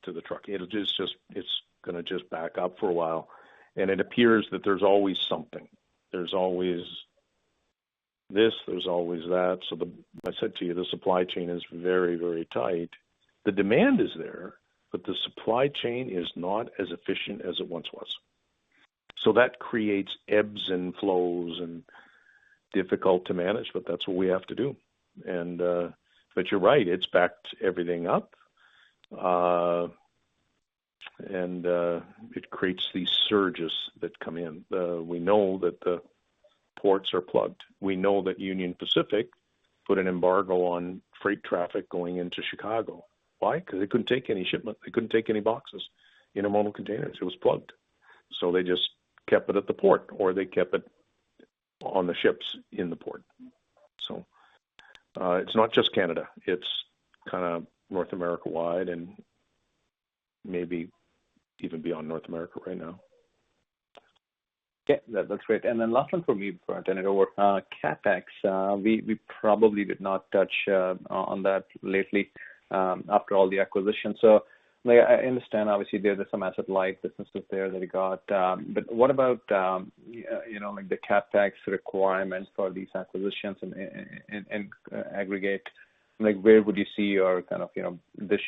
to the truck. It's going to just back up for a while. It appears that there's always something. There's always this, there's always that. Like I said to you, the supply chain is very very tight. The demand is there, but the supply chain is not as efficient as it once was. That creates ebbs and flows, and difficult to manage, but that's what we have to do. You're right. It's backed everything up. It creates these surges that come in. We know that the ports are plugged. We know that Union Pacific put an embargo on freight traffic going into Chicago. Why? Because they couldn't take any shipment. They couldn't take any boxes, intermodal containers. It was plugged. They just kept it at the port, or they kept it on the ships in the port. It's not just Canada. It's kind of North America-wide and maybe even beyond North America right now. Okay. That's great. Last one from me for now. CapEx, we probably did not touch on that lately after all the acquisitions. I understand obviously there's some asset-light businesses there that you got. What about the CapEx requirements for these acquisitions in aggregate? This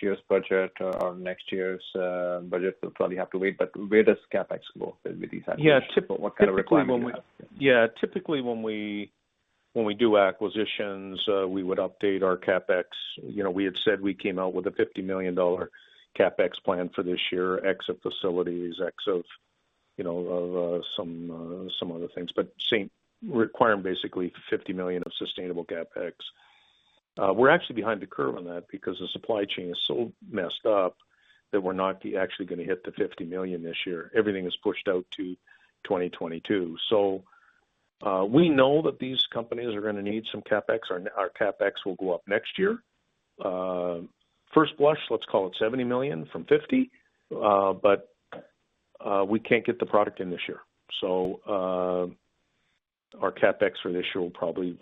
year's budget or next year's budget? We'll probably have to wait, where does CapEx go with these acquisitions? Yeah. What kind of requirement do you have? Typically, when we do acquisitions, we would update our CapEx. We had said we came out with a 50 million dollar CapEx plan for this year, ex of facilities, ex of some other things. Requiring basically 50 million of sustainable CapEx. We're actually behind the curve on that because the supply chain is so messed up that we're not actually going to hit the 50 million this year. Everything is pushed out to 2022. We know that these companies are going to need some CapEx. Our CapEx will go up next year. First blush, let's call it 70 million from 50 million, we can't get the product in this year. Our CapEx for this year will probably,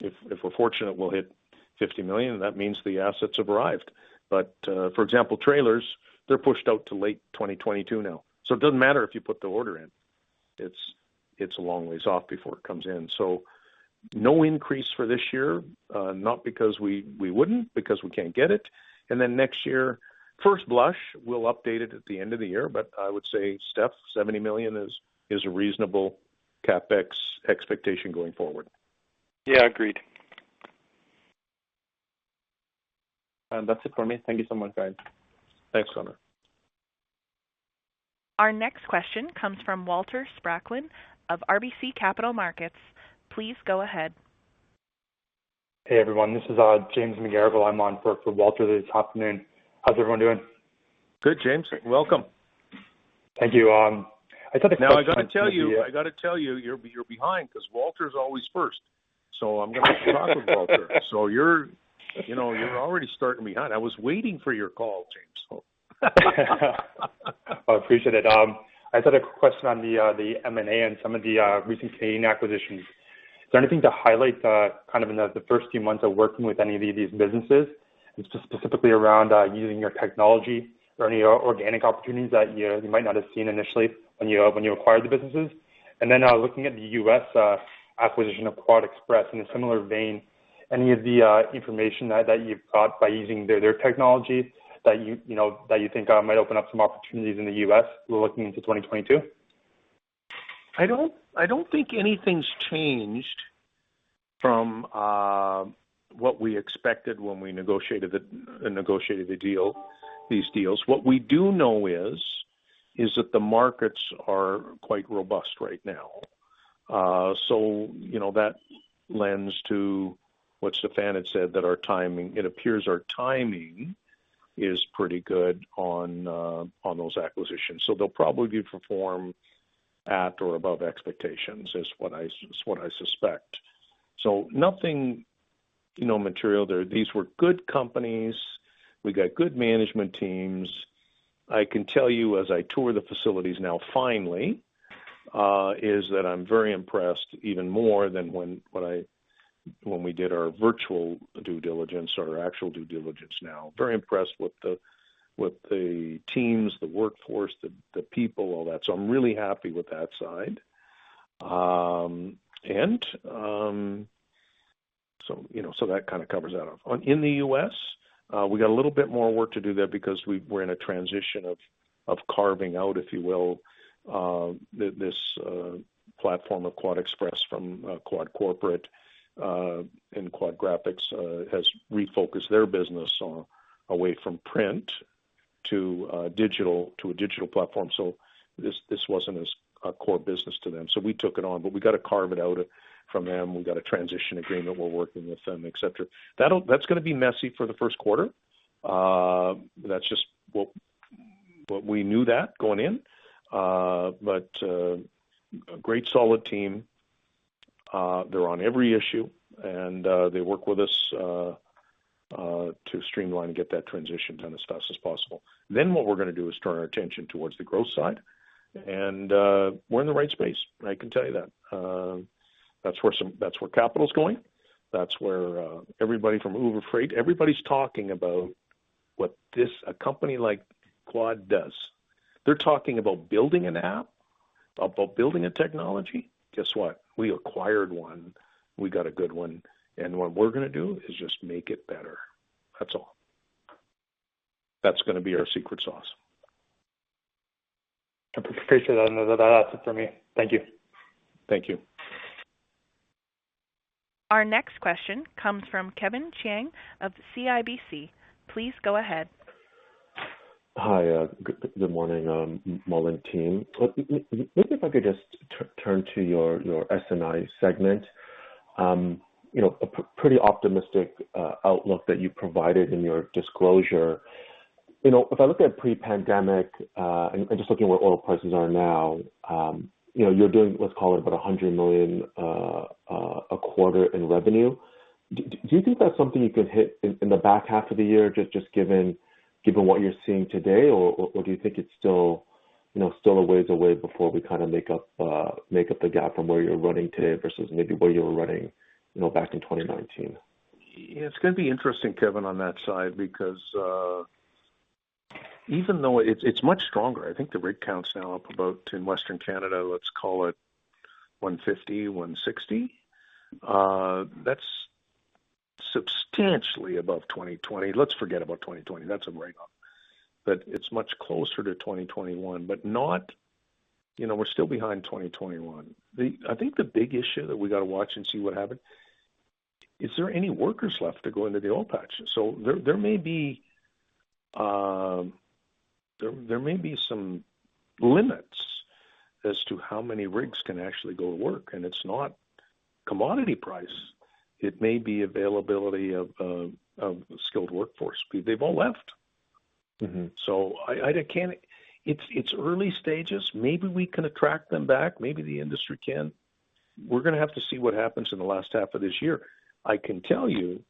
if we're fortunate, we'll hit 50 million, and that means the assets have arrived. For example, trailers, they're pushed out to late 2022 now. It doesn't matter if you put the order in. It's a long ways off before it comes in. No increase for this year, not because we wouldn't, because we can't get it. Next year, first blush, we'll update it at the end of the year, but I would say, Steph, 70 million is a reasonable CapEx expectation going forward. Yeah, agreed. That's it for me. Thank you so much, guys. Thanks, Konark. Our next question comes from Walter Spracklen of RBC Capital Markets. Please go ahead. Hey, everyone. This is James McGarragle. I'm on for Walter this afternoon. How's everyone doing? Good, James. Welcome. Thank you. I just had a question. I got to tell you're behind because Walter's always first. I'm going to start with Walter. You're already starting behind. I was waiting for your call, James. I appreciate it. I just had a question on the M&A and some of the recent Canadian acquisitions. Is there anything to highlight kind of in the first few months of working with any of these businesses, and specifically around using your technology, or any organic opportunities that you might not have seen initially when you acquired the businesses? Looking at the U.S. acquisition of QuadExpress in a similar vein, any of the information that you've got by using their technologies that you think might open up some opportunities in the U.S. looking into 2022? I don't think anything's changed from what we expected when we negotiated the deal, these deals. What we do know is that the markets are quite robust right now. That lends to what Stephen had said, that it appears our timing is pretty good on those acquisitions. They'll probably perform at or above expectations, is what I suspect. Nothing material there. These were good companies. We got good management teams. I can tell you as I tour the facilities now finally, is that I'm very impressed even more than when we did our virtual due diligence or our actual due diligence now. Very impressed with the teams, the workforce, the people, all that. I'm really happy with that side. That kind of covers that off. In the U.S., we got a little bit more work to do there because we were in a transition of carving out, if you will, this platform of QuadExpress from Quad Corporate and Quad/Graphics has refocused their business away from print to a digital platform. This wasn't a core business to them. We took it on, but we got to carve it out from them. We've got a transition agreement. We're working with them, et cetera. That's going to be messy for the 1st quarter. We knew that going in. A great solid team. They're on every issue and they work with us to streamline and get that transition done as fast as possible. What we're going to do is turn our attention towards the growth side, and we're in the right space. I can tell you that. That's where capital's going. That's where everybody from Uber Freight, everybody's talking about what a company like Quad does. They're talking about building an app, about building a technology. Guess what? We acquired one. We got a good one, and what we're going to do is just make it better. That's all. That's going to be our secret sauce. I appreciate that. That answers it for me. Thank you. Thank you. Our next question comes from Kevin Chiang of CIBC. Please go ahead. Hi. Good morning, Mullen team. Maybe if I could just turn to your S&I segment. A pretty optimistic outlook that you provided in your disclosure. If I look at pre-pandemic, and just looking where oil prices are now, you're doing, let's call it, about 100 million a quarter in revenue. Do you think that's something you could hit in the back half of the year, just given what you're seeing today? Or do you think it's still a ways away before we make up the gap from where you're running today versus maybe where you were running back in 2019? It's going to be interesting, Kevin, on that side, because even though it's much stronger, I think the rig count's now up about in Western Canada, let's call it 150, 160. That's substantially above 2020. Let's forget about 2020. That's a write-off. It's much closer to 2021, but we're still behind 2021. I think the big issue that we got to watch and see what happens, is there any workers left to go into the oil patch? There may be some limits as to how many rigs can actually go to work, and it's not commodity price. It may be availability of skilled workforce. They've all left. It's early stages. Maybe we can attract them back. Maybe the industry can. We're going to have to see what happens in the last half of this year. I can tell you,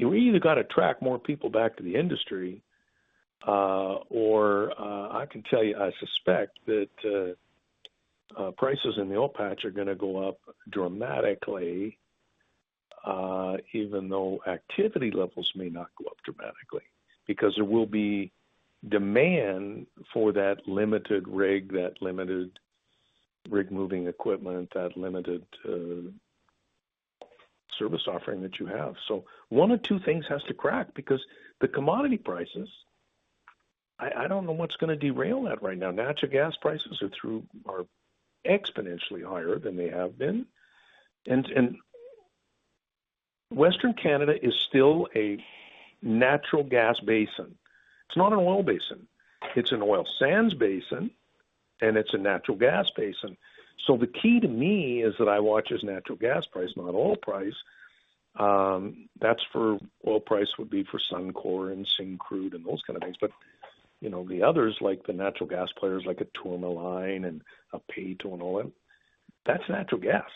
we either got to attract more people back to the industry, or I can tell you, I suspect that prices in the oil patch are going to go up dramatically, even though activity levels may not go up dramatically, because there will be demand for that limited rig, that limited rig moving equipment, that limited service offering that you have. One of two things has to crack because the commodity prices, I don't know what's going to derail that right now. Natural gas prices are exponentially higher than they have been, and Western Canada is still a natural gas basin. It's not an oil basin. It's an oil sands basin, and it's a natural gas basin. The key to me is that I watch is natural gas price, not oil price. Oil price would be for Suncor and Syncrude and those kinds of things. The others, like the natural gas players, like a Tourmaline and a P2 and all that's natural gas.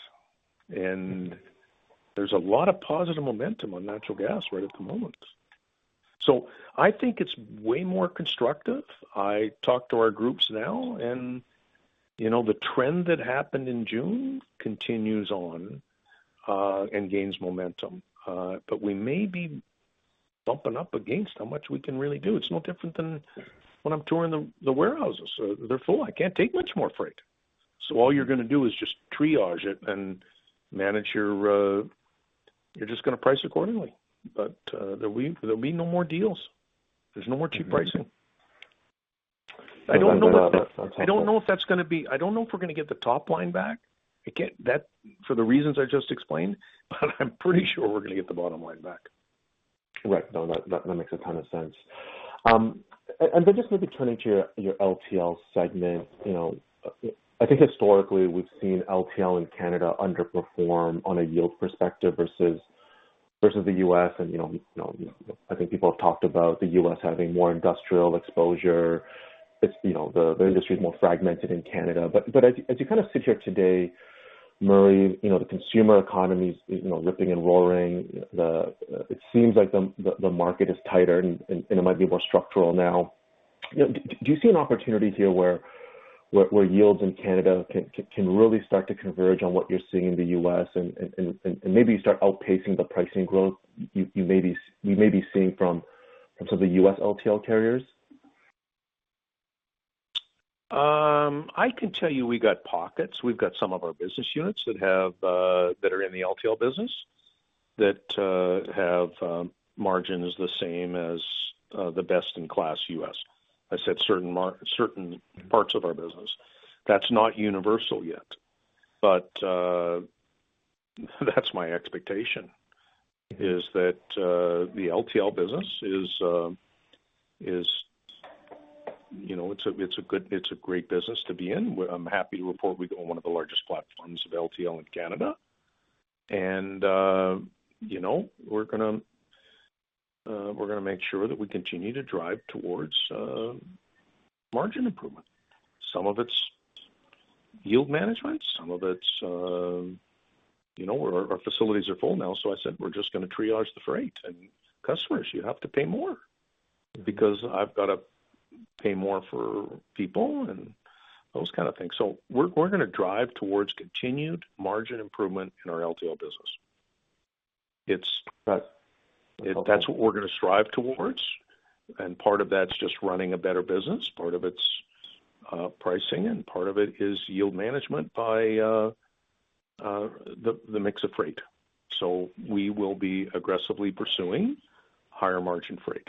There's a lot of positive momentum on natural gas right at the moment. I think it's way more constructive. I talk to our groups now, and the trend that happened in June continues on and gains momentum. We may be bumping up against how much we can really do. It's no different than when I'm touring the warehouses. They're full. I can't take much more freight. All you're going to do is just triage it and you're just going to price accordingly. There'll be no more deals. There's no more cheap pricing. That's helpful. I don't know if we're going to get the top line back, for the reasons I just explained, but I'm pretty sure we're going to get the bottom line back. Right. No, that makes a ton of sense. Just maybe turning to your LTL segment. I think historically, we've seen LTL in Canada underperform on a yield perspective versus the U.S., and I think people have talked about the U.S. having more industrial exposure. The industry is more fragmented in Canada. As you sit here today, Murray, the consumer economy is ripping and roaring. It seems like the market is tighter, and it might be more structural now. Do you see an opportunity here where yields in Canada can really start to converge on what you're seeing in the U.S. and maybe start outpacing the pricing growth you may be seeing from some of the U.S. LTL carriers? I can tell you we got pockets. We've got some of our business units that are in the LTL business that have margins the same as the best in class U.S. I said certain parts of our business. That's not universal yet, but that's my expectation, is that the LTL business, it's a great business to be in. I'm happy to report we've got one of the largest platforms of LTL in Canada. We're going to make sure that we continue to drive towards margin improvement. Some of it's yield management. Some of it's our facilities are full now, so I said we're just going to triage the freight and customers, you have to pay more because I've got to pay more for people and those kind of things. We're going to drive towards continued margin improvement in our LTL business. Right. That's what we're going to strive towards. Part of that's just running a better business. Part of it's pricing, and part of it is yield management by the mix of freight. We will be aggressively pursuing higher margin freight.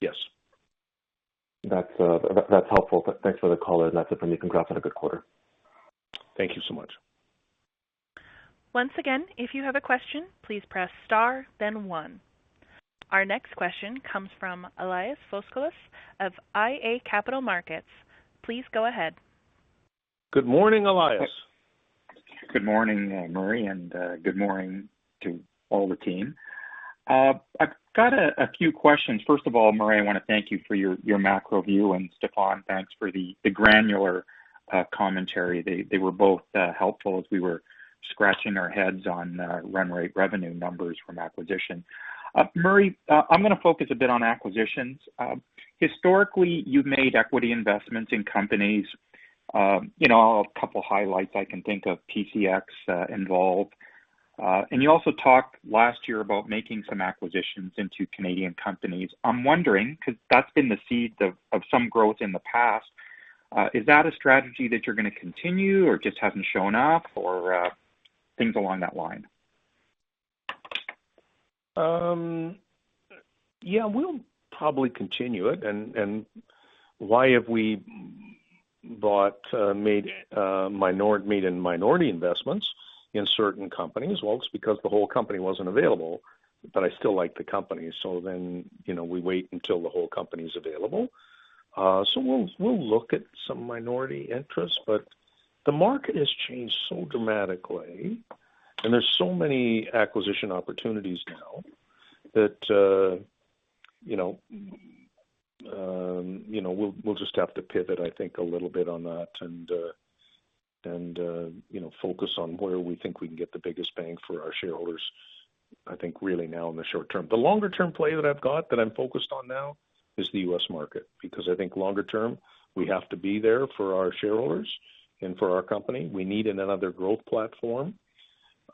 Yes. That's helpful. Thanks for the color, and that's it from me. Congrats on a good quarter. Thank you so much. Once again, if you have a question, please press star then one. Our next question comes from Elias Foscolos of iA Capital Markets. Please go ahead. Good morning, Elias. Good morning, Murray, and good morning to all the team. I've got a few questions. First of all, Murray, I want to thank you for your macro view, and Stephen, thanks for the granular commentary. They were both helpful as we were scratching our heads on run rate revenue numbers from acquisition. Murray, I'm going to focus a bit on acquisitions. Historically, you've made equity investments in companies. A couple highlights I can think of, PCX involved. You also talked last year about making some acquisitions into Canadian companies. I'm wondering, because that's been the seed of some growth in the past, is that a strategy that you're going to continue or just hasn't shown up or things along that line? Yeah, we'll probably continue it, why have we made minority investments in certain companies? Well, it's because the whole company wasn't available, but I still like the company. Then, we wait until the whole company's available. We'll look at some minority interests, but the market has changed so dramatically, and there's so many acquisition opportunities now that we'll just have to pivot, I think, a little bit on that and focus on where we think we can get the biggest bang for our shareholders, I think really now in the short term. The longer-term play that I've got, that I'm focused on now is the U.S. market because I think longer term, we have to be there for our shareholders and for our company. We need another growth platform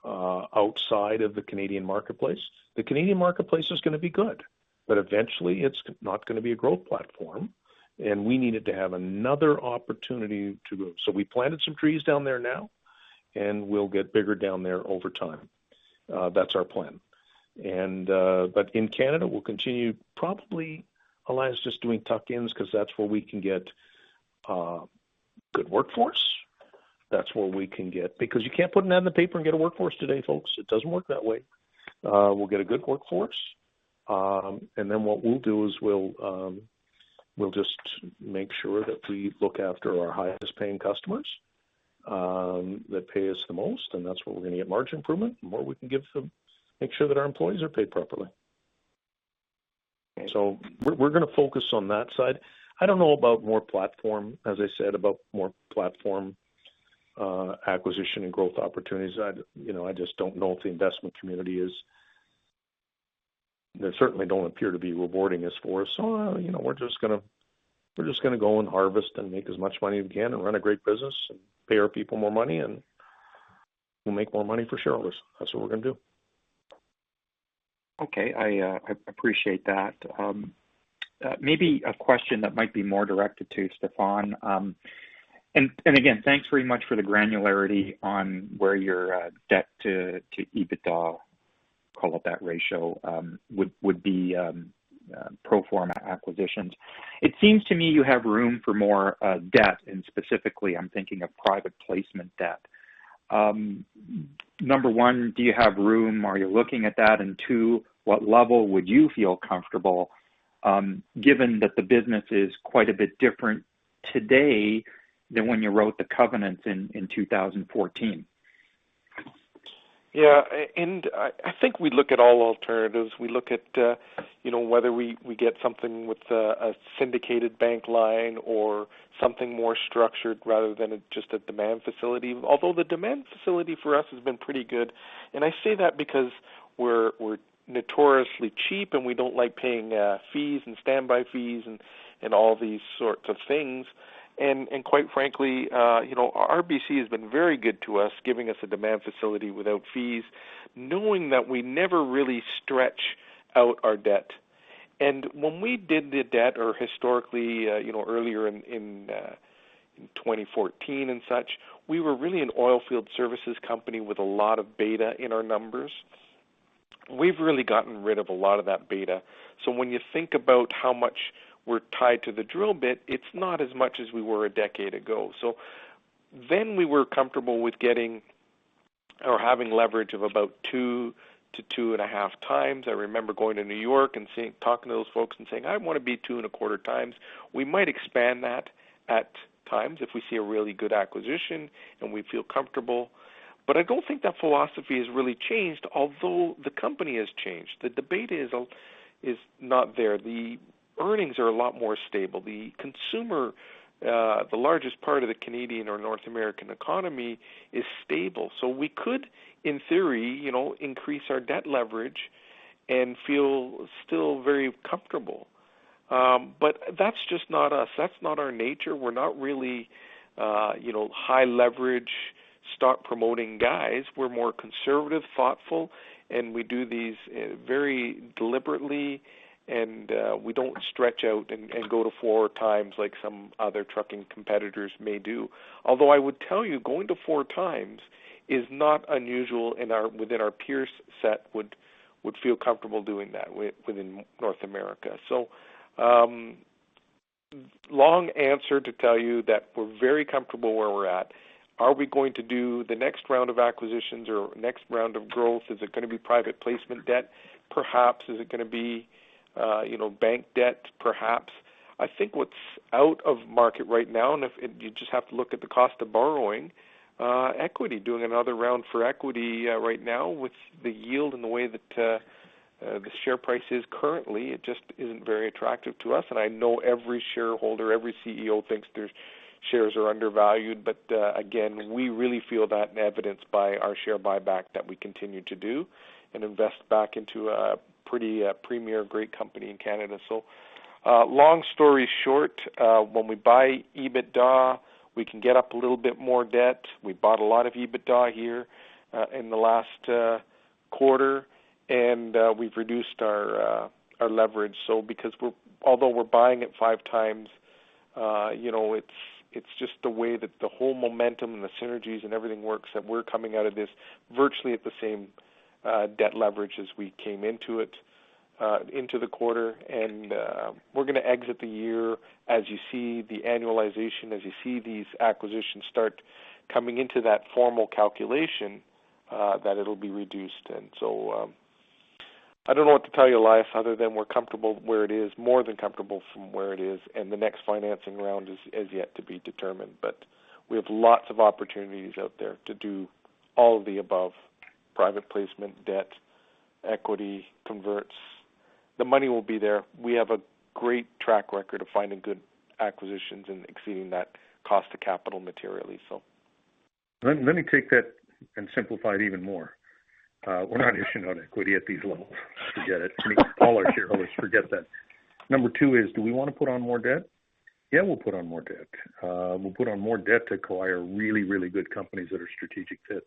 outside of the Canadian marketplace. The Canadian marketplace is going to be good, but eventually it's not going to be a growth platform, and we needed to have another opportunity to grow. We planted some trees down there now, and we'll get bigger down there over time. That's our plan. In Canada, we'll continue probably, Elias, just doing tuck-ins because that's where we can get good workforce. Because you can't put an ad in the paper and get a workforce today, folks. It doesn't work that way. We'll get a good workforce, and then what we'll do is we'll just make sure that we look after our highest paying customers that pay us the most, and that's where we're going to get margin improvement. The more we can give to them, make sure that our employees are paid properly. Okay. We're going to focus on that side. I don't know about more platform, as I said, about more platform acquisition and growth opportunities. I just don't know if the investment community. They certainly don't appear to be rewarding us for it. We're just going to go and harvest and make as much money as we can and run a great business and pay our people more money and we'll make more money for shareholders. That's what we're going to do. Okay. I appreciate that. Maybe a question that might be more directed to Stephen. Again, thanks very much for the granularity on where your debt to EBITDA, call it that ratio, would be pro forma acquisitions. It seems to me you have room for more debt, and specifically, I'm thinking of private placement debt. Number one, do you have room? Are you looking at that? Two, what level would you feel comfortable, given that the business is quite a bit different today than when you wrote the covenants in 2014? Yeah. I think we look at all alternatives. We look at whether we get something with a syndicated bank line or something more structured rather than just a demand facility. Although the demand facility for us has been pretty good, I say that because we're notoriously cheap, and we don't like paying fees and standby fees and all these sorts of things. Quite frankly, you know, RBC has been very good to us, giving us a demand facility without fees, knowing that we never really stretch out our debt. When we did the debt or historically earlier in 2014 and such, we were really an oil field services company with a lot of beta in our numbers. We've really gotten rid of a lot of that beta. When you think about how much we're tied to the drill bit, it's not as much as we were a decade ago. We were comfortable with getting or having leverage of about 2 to 2.5x. I remember going to New York and talking to those folks and saying, "I want to be 2.25x." We might expand that at times if we see a really good acquisition and we feel comfortable. I don't think that philosophy has really changed, although the company has changed. The beta is not there. The earnings are a lot more stable. The consumer, the largest part of the Canadian or North American economy, is stable. We could, in theory, increase our debt leverage and feel still very comfortable. That's just not us. That's not our nature. We're not really high leverage, stock-promoting guys. We're more conservative, thoughtful, and we do these very deliberately, and we don't stretch out and go to 4x like some other trucking competitors may do. Although I would tell you, going to 4x is not unusual within our peer set would feel comfortable doing that within North America. Long answer to tell you that we're very comfortable where we're at. Are we going to do the next round of acquisitions or next round of growth? Is it going to be private placement debt? Perhaps. Is it going to be bank debt? Perhaps. I think what's out of market right now, and if you just have to look at the cost of borrowing, equity, doing another round for equity right now with the yield and the way that the share price is currently, it just isn't very attractive to us. I know every shareholder, every CEO thinks their shares are undervalued. Again, we really feel that and evidenced by our share buyback that we continue to do and invest back into a pretty premier, great company in Canada. Long story short, when we buy EBITDA, we can get up a little bit more debt. We bought a lot of EBITDA here in the last quarter, and we've reduced our leverage. Although we're buying at 5x, it's just the way that the whole momentum and the synergies and everything works that we're coming out of this virtually at the same debt leverage as we came into it, into the quarter. We're going to exit the year as you see the annualization, as you see these acquisitions start coming into that formal calculation, that it'll be reduced. I don't know what to tell you, Elias, other than we're comfortable where it is, more than comfortable from where it is, and the next financing round is yet to be determined. We have lots of opportunities out there to do all of the above, private placement, debt, equity, converts. The money will be there. We have a great track record of finding good acquisitions and exceeding that cost to capital materially. Let me take that and simplify it even more. We're not issuing on equity at these levels. Forget it. I mean, all our shareholders forget that. Number two is, do we want to put on more debt? Yeah, we'll put on more debt. We'll put on more debt to acquire really, really good companies that are strategic fits.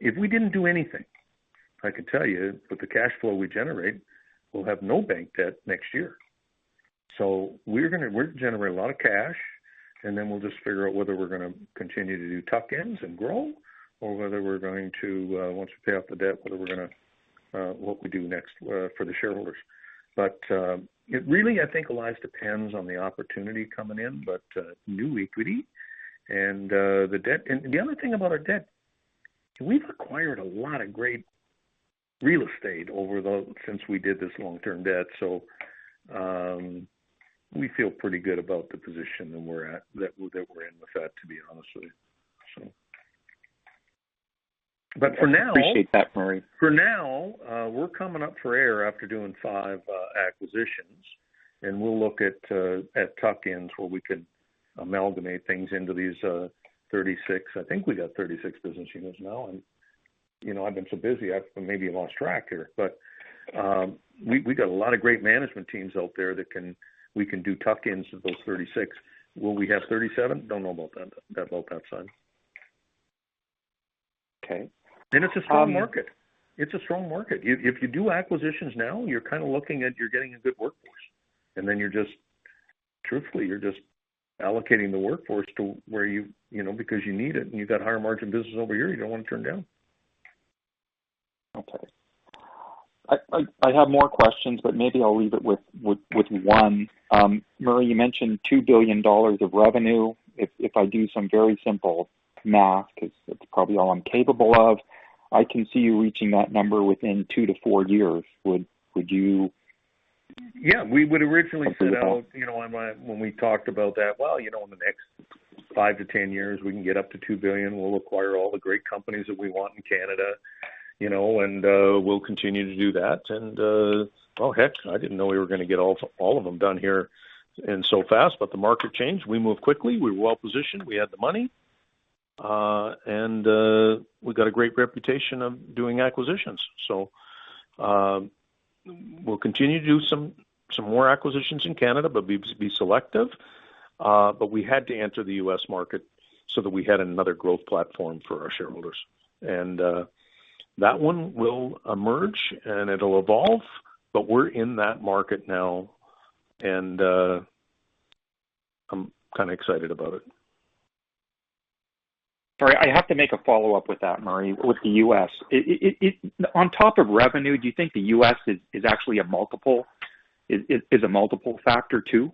If we didn't do anything, I could tell you with the cash flow we generate, we'll have no bank debt next year. We're going to generate a lot of cash, and then we'll just figure out whether we're going to continue to do tuck-ins and grow or whether we're going to, once we pay off the debt, what we do next for the shareholders. It really, I think, Elias, depends on the opportunity coming in, but new equity and the debt. The other thing about our debt, we've acquired a lot of great real estate since we did this long-term debt. We feel pretty good about the position that we're in with that, to be honest with you. But for now- Appreciate that, Murray. for now, we're coming up for air after doing five acquisitions, and we'll look at tuck-ins where we could amalgamate things into these 36, I think we got 36 business units now, and I've been so busy I've maybe lost track here. We got a lot of great management teams out there that we can do tuck-ins of those 36. Will we have 37? Don't know about that side. Okay. It's a strong market. It's a strong market. If you do acquisitions now, you're kind of looking at getting a good workforce, and then truthfully, you're just allocating the workforce to where you need it, and you got higher margin business over here you don't want to turn down. Okay. I have more questions, maybe I'll leave it with one. Murray, you mentioned 2 billion dollars of revenue. If I do some very simple math, because that's probably all I'm capable of, I can see you reaching that number within two to four years. Would you? Yeah. We would originally set out. Agree with that? We talked about that, well, in the next 5-10 years, we can get up to 2 billion. We'll acquire all the great companies that we want in Canada, and we'll continue to do that. Oh, heck, I didn't know we were going to get all of them done here and so fast, but the market changed. We moved quickly. We were well-positioned. We had the money. We got a great reputation of doing acquisitions. We'll continue to do some more acquisitions in Canada but be selective. We had to enter the U.S. market so that we had another growth platform for our shareholders. That one will emerge, and it'll evolve, but we're in that market now, and I'm kind of excited about it. Sorry, I have to make a follow-up with that, Murray, with the U.S. On top of revenue, do you think the U.S. is actually a multiple factor too?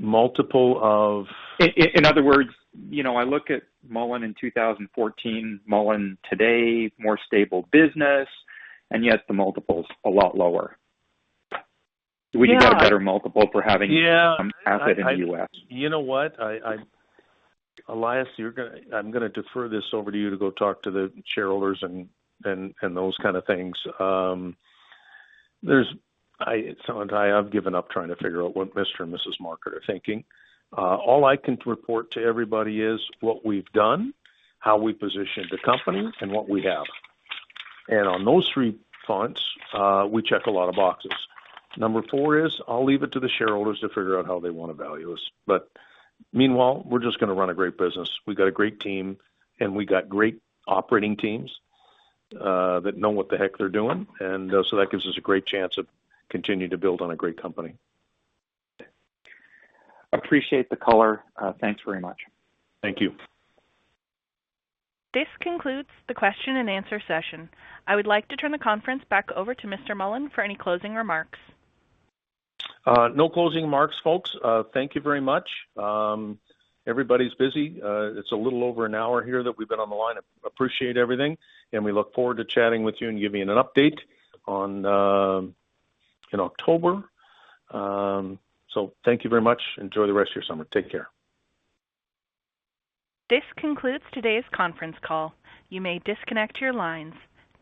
Multiple of? In other words, I look at Mullen in 2014, Mullen today, more stable business, and yet the multiple's a lot lower. Yeah. Would you get a better multiple for having- Yeah. ...some asset in the U.S.? You know what? Elias, I'm going to defer this over to you to go talk to the shareholders and those kinds of things. At some point, I've given up trying to figure out what Mr. and Mrs. Market are thinking. All I can report to everybody is what we've done, how we positioned the company, and what we have. On those three fronts, we check a lot of boxes. Number four is I'll leave it to the shareholders to figure out how they want to value us. Meanwhile, we're just going to run a great business. We got a great team, and we got great operating teams that know what the heck they're doing. That gives us a great chance of continuing to build on a great company. Appreciate the color. Thanks very much. Thank you. This concludes the question-and-answer session. I would like to turn the conference back over to Mr. Mullen for any closing remarks. No closing marks, folks. Thank you very much. Everybody's busy. It is a little over an hour here that we have been on the line. Appreciate everything, and we look forward to chatting with you and giving an update in October. Thank you very much. Enjoy the rest of your summer. Take care. This concludes today's conference call. You may disconnect your lines.